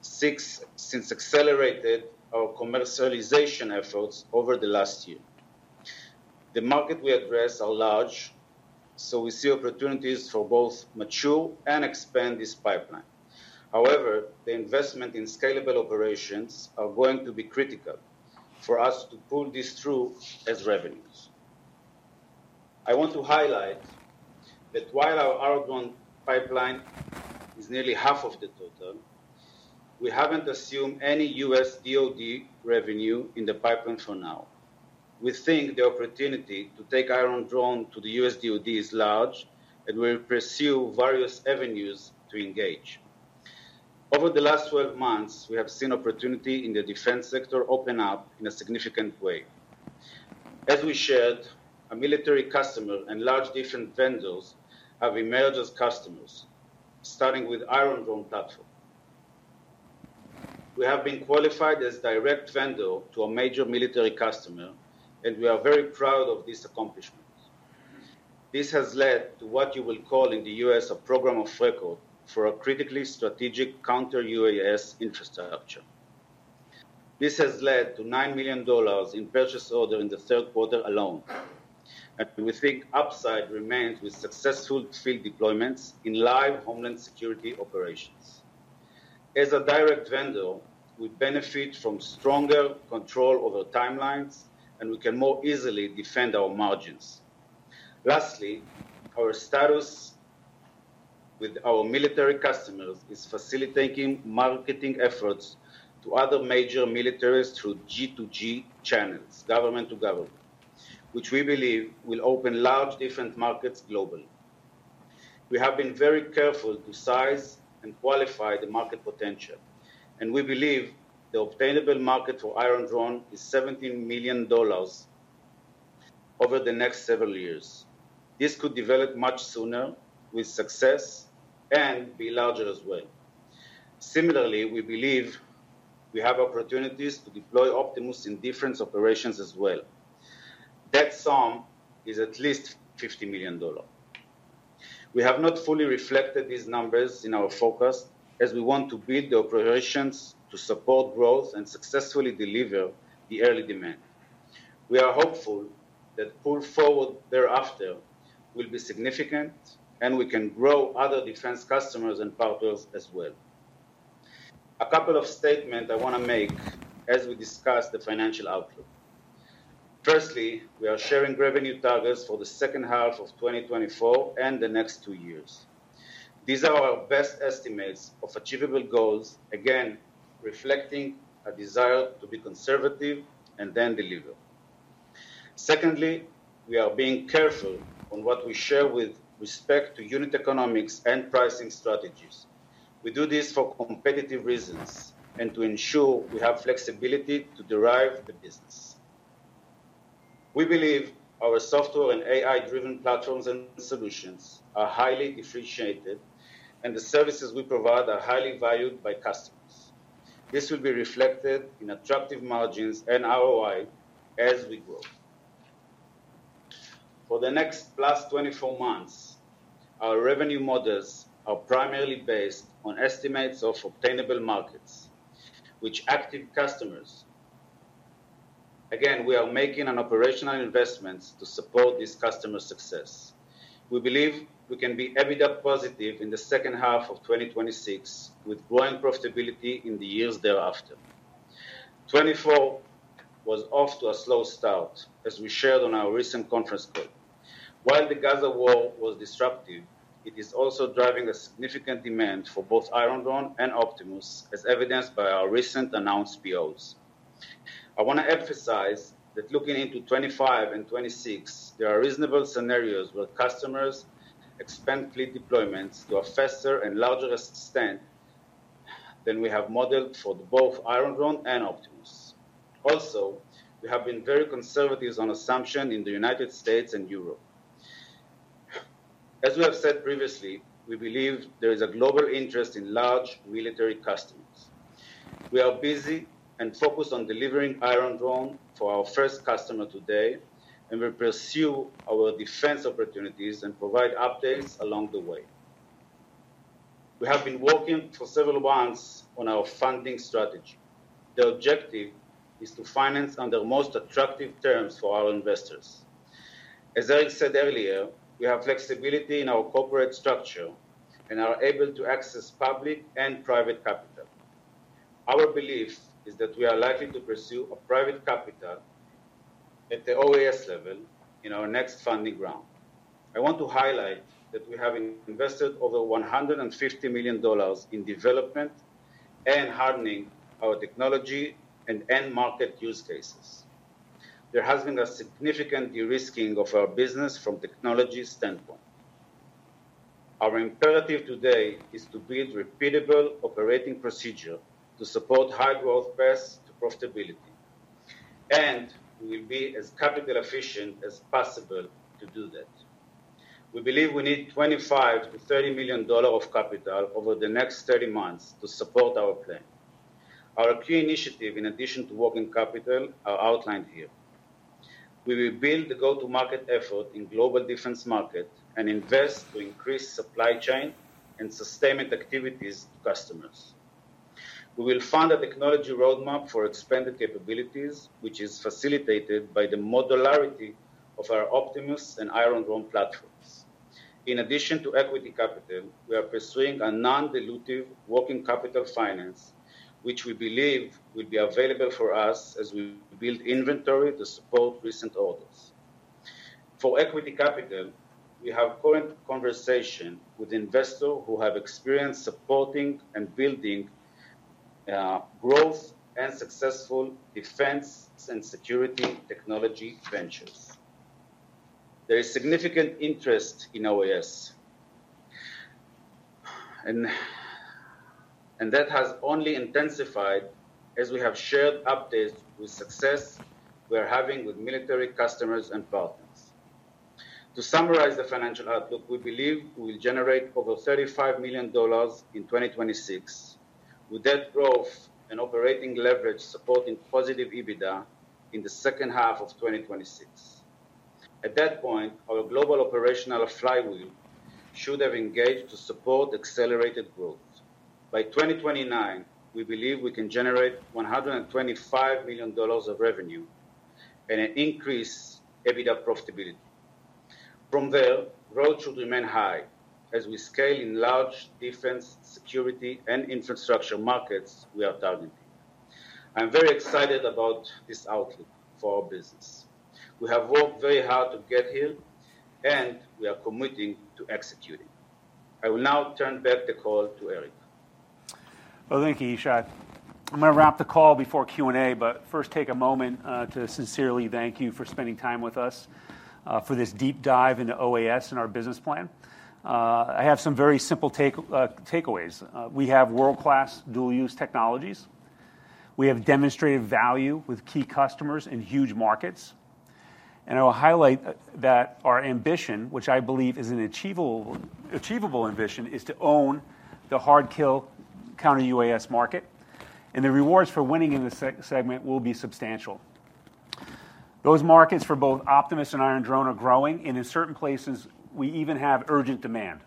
since accelerated our commercialization efforts over the last year... The market we address are large, so we see opportunities for both mature and expand this pipeline. However, the investment in scalable operations are going to be critical for us to pull this through as revenues. I want to highlight that while our Iron Drone pipeline is nearly half of the total, we haven't assumed any U.S. DoD revenue in the pipeline for now. We think the opportunity to take Iron Drone to the U.S. DoD is large, and we'll pursue various avenues to engage. Over the last twelve months, we have seen opportunity in the defense sector open up in a significant way. As we shared, a military customer and large defense vendors have emerged as customers, starting with Iron Drone platform. We have been qualified as direct vendor to a major military customer, and we are very proud of this accomplishment. This has led to what you will call in the U.S., a program of record for a critically strategic counter-UAS infrastructure. This has led to $9 million in purchase orders in the third quarter alone, and we think upside remains with successful fleet deployments in live homeland security operations. As a direct vendor, we benefit from stronger control over timelines, and we can more easily defend our margins. Lastly, our status with our military customers is facilitating marketing efforts to other major militaries through G2G channels, government to government, which we believe will open large defense markets globally. We have been very careful to size and qualify the market potential, and we believe the obtainable market for Iron Drone is $17 million over the next several years. This could develop much sooner with success and be larger as well. Similarly, we believe we have opportunities to deploy Optimus in different operations as well. That sum is at least $50 million. We have not fully reflected these numbers in our forecast, as we want to build the operations to support growth and successfully deliver the early demand. We are hopeful that pull forward thereafter will be significant, and we can grow other defense customers and partners as well. A couple of statements I want to make as we discuss the financial outlook. Firstly, we are sharing revenue targets for the second half of 2024 and the next two years. These are our best estimates of achievable goals, again, reflecting a desire to be conservative and then deliver. Secondly, we are being careful on what we share with respect to unit economics and pricing strategies. We do this for competitive reasons and to ensure we have flexibility to drive the business. We believe our software and AI-driven platforms and solutions are highly differentiated, and the services we provide are highly valued by customers. This will be reflected in attractive margins and ROI as we grow. For the next plus twenty-four months, our revenue models are primarily based on estimates of obtainable markets with active customers. Again, we are making an operational investment to support this customer success. We believe we can be EBITDA positive in the second half of twenty twenty-six, with growing profitability in the years thereafter. Twenty twenty-four was off to a slow start, as we shared on our recent conference call. While the Gaza war was disruptive, it is also driving a significant demand for both Iron Drone and Optimus, as evidenced by our recent announced POs. I want to emphasize that looking into twenty twenty-five and twenty twenty-six, there are reasonable scenarios where customers expand fleet deployments to a faster and larger extent than we have modeled for both Iron Drone and Optimus. Also, we have been very conservative on assumption in the United States and Europe. As we have said previously, we believe there is a global interest in large military customers. We are busy and focused on delivering Iron Drone to our first customer today, and we pursue our defense opportunities and provide updates along the way. We have been working for several months on our funding strategy. The objective is to finance on the most attractive terms for our investors. As Eric said earlier, we have flexibility in our corporate structure and are able to access public and private capital. Our beliefs is that we are likely to pursue a private capital at the OAS level in our next funding round. I want to highlight that we have invested over $150 million in development and hardening our technology and end market use cases. There has been a significant de-risking of our business from technology standpoint. Our imperative today is to build repeatable operating procedure to support high growth paths to profitability, and we will be as capital efficient as possible to do that. We believe we need $25-$30 million of capital over the next 30 months to support our plan. Our key initiative, in addition to working capital, are outlined here. We will build the go-to-market effort in global defense market and invest to increase supply chain and sustainment activities to customers. We will fund a technology roadmap for expanded capabilities, which is facilitated by the modularity of our Optimus and Iron Drone platforms. In addition to equity capital, we are pursuing a non-dilutive working capital finance, which we believe will be available for us as we build inventory to support recent orders. For equity capital, we have current conversation with investor who have experience supporting and building growth and successful defense and security technology ventures. There is significant interest in OAS, and that has only intensified as we have shared updates with success we are having with military customers and partners. To summarize the financial outlook, we believe we will generate over $35 million in 2026, with that growth and operating leverage supporting positive EBITDA in the second half of 2026. At that point, our global operational flywheel should have engaged to support accelerated growth. By 2029, we believe we can generate $125 million of revenue and an increased EBITDA profitability. From there, growth should remain high as we scale in large defense, security, and infrastructure markets we are targeting. I'm very excited about this outlook for our business. We have worked very hard to get here, and we are committing to executing. I will now turn back the call to Eric. Thank you, Yishai. I'm going to wrap the call before Q&A, but first take a moment to sincerely thank you for spending time with us for this deep dive into OAS and our business plan. I have some very simple takeaways. We have world-class dual-use technologies. We have demonstrated value with key customers in huge markets. And I will highlight that our ambition, which I believe is an achievable ambition, is to own the hard kill counter UAS market, and the rewards for winning in this segment will be substantial. Those markets for both Optimus and Iron Drone are growing, and in certain places, we even have urgent demand.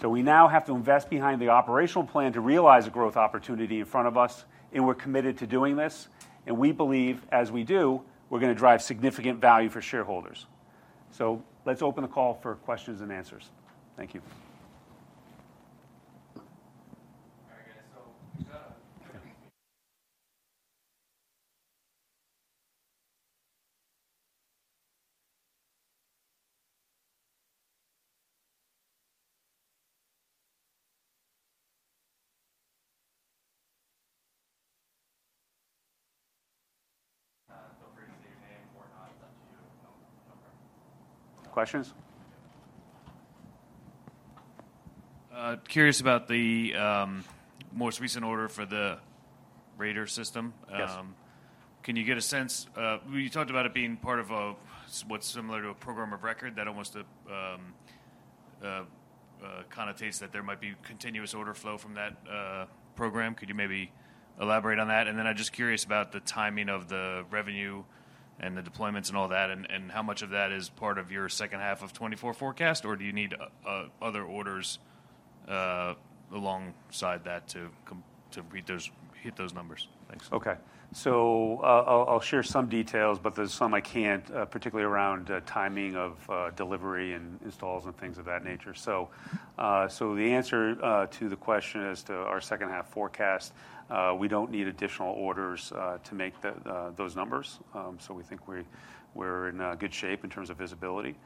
So we now have to invest behind the operational plan to realize the growth opportunity in front of us, and we're committed to doing this, and we believe, as we do, we're going to drive significant value for shareholders. So let's open the call for questions and answers. Thank you. (inaudible) Questions? Curious about the most recent order for the radar system. Yes. Can you get a sense... You talked about it being part of a, what's similar to a Program of Record. That almost connotes that there might be continuous order flow from that Program of Record. Could you maybe elaborate on that? And then I'm just curious about the timing of the revenue and the deployments and all that, and how much of that is part of your second half of twenty-four forecast, or do you need other orders alongside that to meet those, hit those numbers? Thanks. I'll share some details, but there's some I can't, particularly around timing of delivery and installs and things of that nature. So, the answer to the question as to our second-half forecast, we don't need additional orders to make those numbers. So we think we're in good shape in terms of visibility.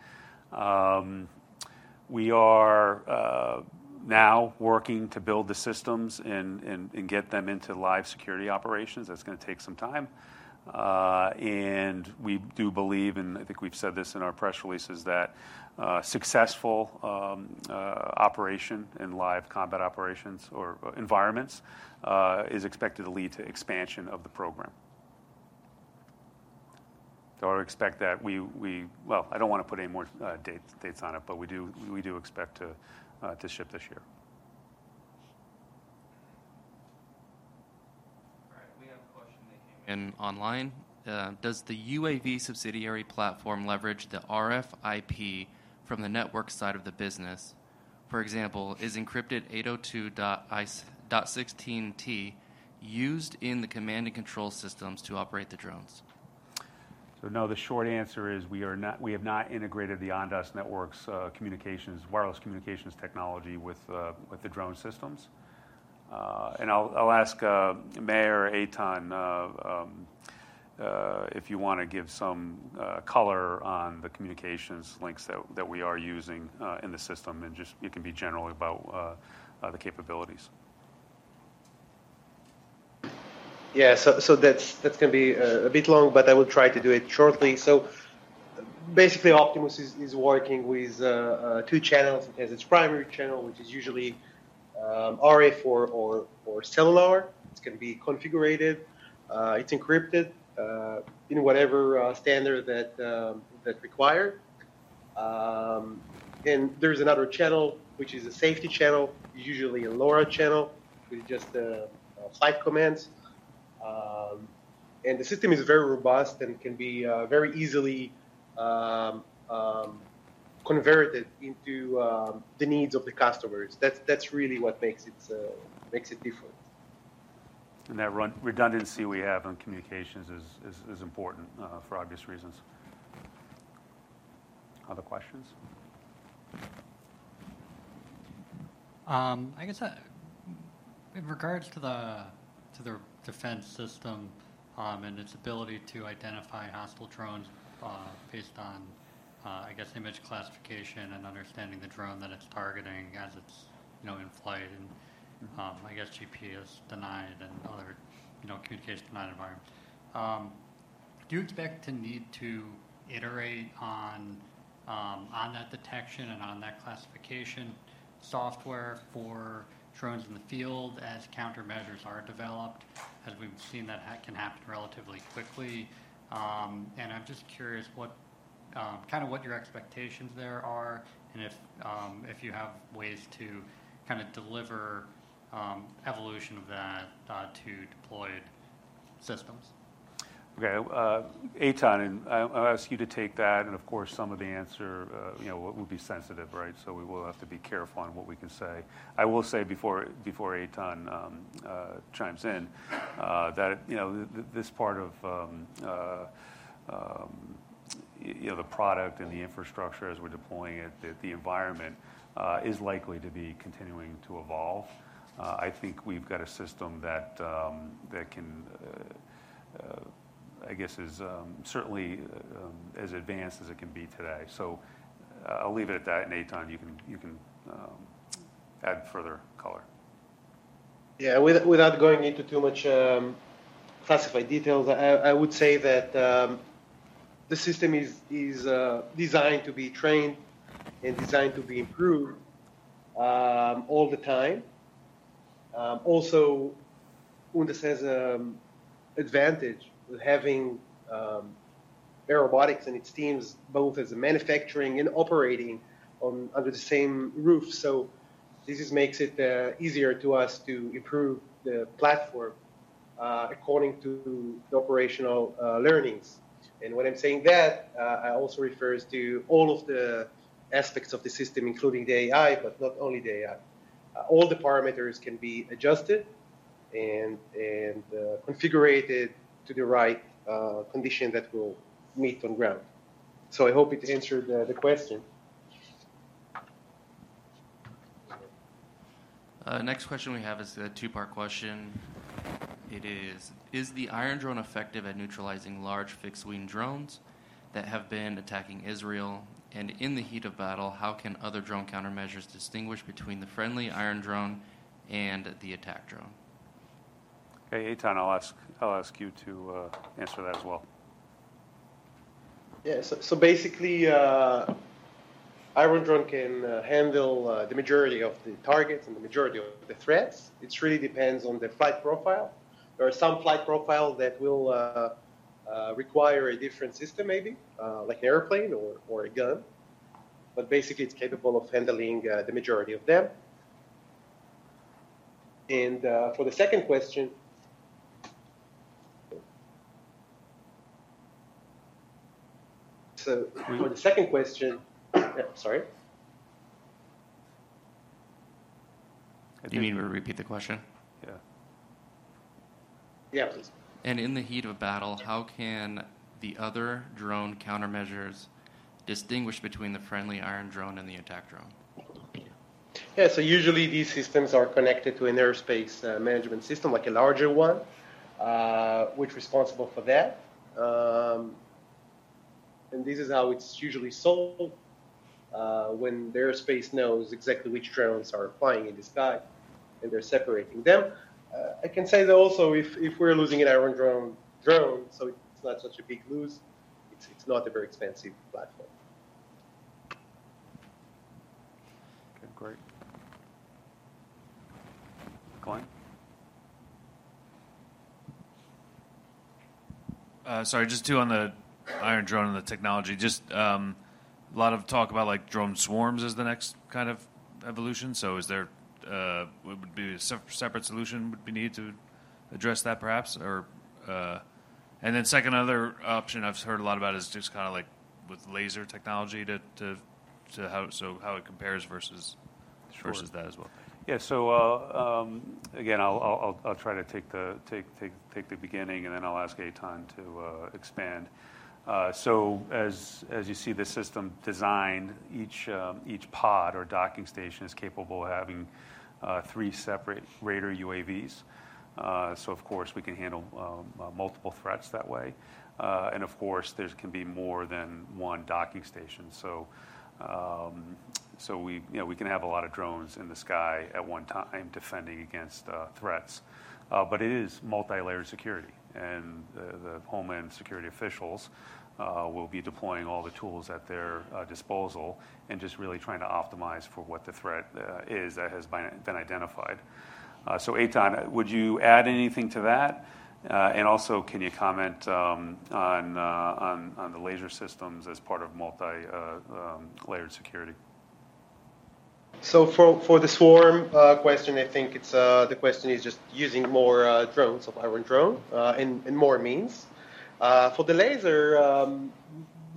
We are now working to build the systems and get them into live security operations. That's gonna take some time. And we do believe, and I think we've said this in our press releases, that successful operation in live combat operations or environments is expected to lead to expansion of the program. So I expect that we, I don't want to put any more dates on it, but we do expect to ship this year. All right, we have a question that came in online. "Does the UAV subsidiary platform leverage the RF IP from the network side of the business? For example, is encrypted 802.16T used in the command and control systems to operate the drones? So no, the short answer is we are not, we have not integrated the Ondas Networks communications, wireless communications technology with the drone systems. And I'll ask Meir, Eitan, if you want to give some color on the communications links that we are using in the system, and just you can be general about the capabilities. That's going to be a bit long, but I will try to do it shortly, so basically, Optimus is working with two channels. It has its primary channel, which is usually RF or cellular. It's going to be configured. It's encrypted in whatever standard that required, and there's another channel, which is a safety channel, usually a LoRa channel, with just flight commands, and the system is very robust and can be very easily, convert it into the needs of the customers. That's really what makes it different. And that redundancy we have on communications is important for obvious reasons. Other questions? I guess in regards to the defense system and its ability to identify hostile drones based on, I guess, image classification and understanding the drone that it's targeting as it's, you know, in flight, and, I guess GPS denied and other, you know, communications denied environment. Do you expect to need to iterate on that detection and on that classification software for drones in the field as countermeasures are developed? As we've seen, that can happen relatively quickly, and I'm just curious what kind of what your expectations there are, and if you have ways to kind of deliver evolution of that to deployed systems? Okay, Eitan, and I'll ask you to take that, and of course, some of the answer, you know, will be sensitive, right? So we will have to be careful on what we can say. I will say before Eitan chimes in, that, you know, this part of, you know, the product and the infrastructure as we're deploying it, that the environment is likely to be continuing to evolve. I think we've got a system that can, I guess is, certainly as advanced as it can be today. So, I'll leave it at that, and, Eitan, you can add further color. Yeah, without going into too much, classified details, I would say that, the system is designed to be trained and designed to be improved, all the time. Also, Ondas has advantage with having, Airobotics and its teams, both as a manufacturing and operating on, under the same roof. So this makes it, easier to us to improve the platform, according to the operational, learnings. And when I'm saying that, it also refers to all of the aspects of the system, including the AI, but not only the AI. All the parameters can be adjusted and, configured to the right, condition that we'll meet on ground. So I hope it answered the, question. Next question we have is a two-part question. It is: Is the Iron Drone effective at neutralizing large, fixed-wing drones that have been attacking Israel? And in the heat of battle, how can other drone countermeasures distinguish between the friendly Iron Drone and the attack drone? Okay, Eitan, I'll ask you to answer that as well. Yeah. So basically, Iron Drone can handle the majority of the targets and the majority of the threats. It really depends on the flight profile. There are some flight profile that will require a different system maybe, like an airplane or a gun, but basically, it's capable of handling the majority of them. And for the second question, so for the second question, sorry. Do you need me to repeat the question? Yeah. Yeah, please. In the heat of battle, how can the other drone countermeasures distinguish between the friendly Iron Drone and the attack drone? Usually, these systems are connected to an airspace management system, like a larger one, which responsible for that. And this is how it's usually solved, when the airspace knows exactly which drones are flying in the sky, and they're separating them. I can say that also, if we're losing an Iron Drone drone, so it's not such a big loss, it's not a very expensive platform. (inaudible) Sorry, just two on the Iron Drone and the technology. Just a lot of talk about like drone swarms as the next kind of evolution. So is there a separate solution that would be needed to address that perhaps, or. And then second other option I've heard a lot about is just kind of like with laser technology, so how it compares versus that as well? Again, I'll try to take the beginning, and then I'll ask Eitan to expand. So as you see the system designed, each pod or docking station is capable of having three separate Raider UAVs. So of course, we can handle multiple threats that way. And of course, there can be more than one docking station. So we, you know, we can have a lot of drones in the sky at one time defending against threats. But it is multilayer security, and the homeland security officials will be deploying all the tools at their disposal and just really trying to optimize for what the threat is that has been identified. So, Eitan, would you add anything to that? And also, can you comment on the laser systems as part of multi-layered security? For the swarm question, I think it's the question is just using more drones of Iron Drone and more means. For the laser,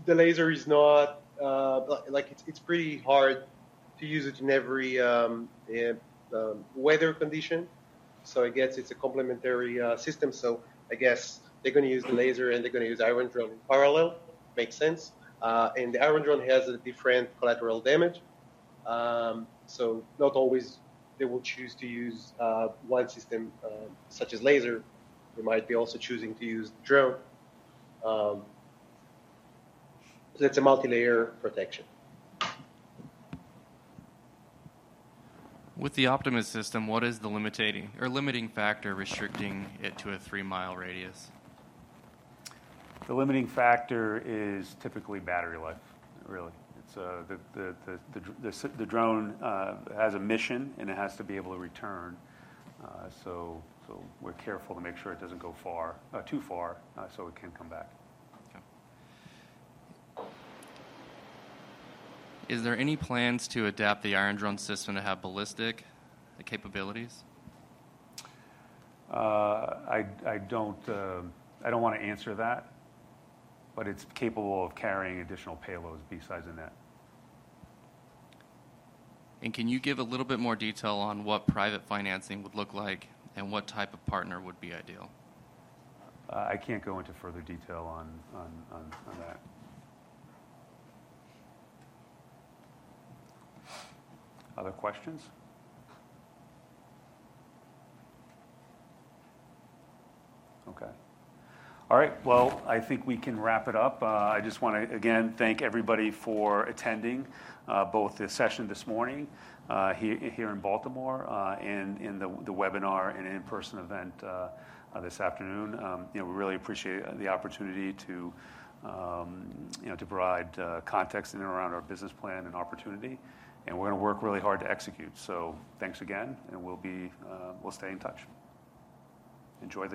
the laser is not like it's pretty hard to use it in every weather condition. So I guess it's a complementary system. So I guess they're gonna use the laser, and they're gonna use Iron Drone in parallel. Makes sense. And the Iron Drone has a different collateral damage. So not always they will choose to use one system such as laser. They might be also choosing to use the drone. So it's a multilayer protection. With the Optimus System, what is the limiting factor restricting it to a three-mile radius? The limiting factor is typically battery life, really. It's the drone has a mission, and it has to be able to return, so we're careful to make sure it doesn't go far, too far, so it can come back. Okay. Is there any plans to adapt the Iron Drone system to have ballistic capabilities? I don't want to answer that, but it's capable of carrying additional payloads besides a net. Can you give a little bit more detail on what private financing would look like and what type of partner would be ideal? I can't go into further detail on that. Other questions? Okay. All right, well, I think we can wrap it up. I just want to, again, thank everybody for attending both the session this morning here in Baltimore and in the webinar and in-person event this afternoon. You know, we really appreciate the opportunity to you know, to provide context in and around our business plan and opportunity, and we're gonna work really hard to execute. So thanks again, and we'll stay in touch. Enjoy the day.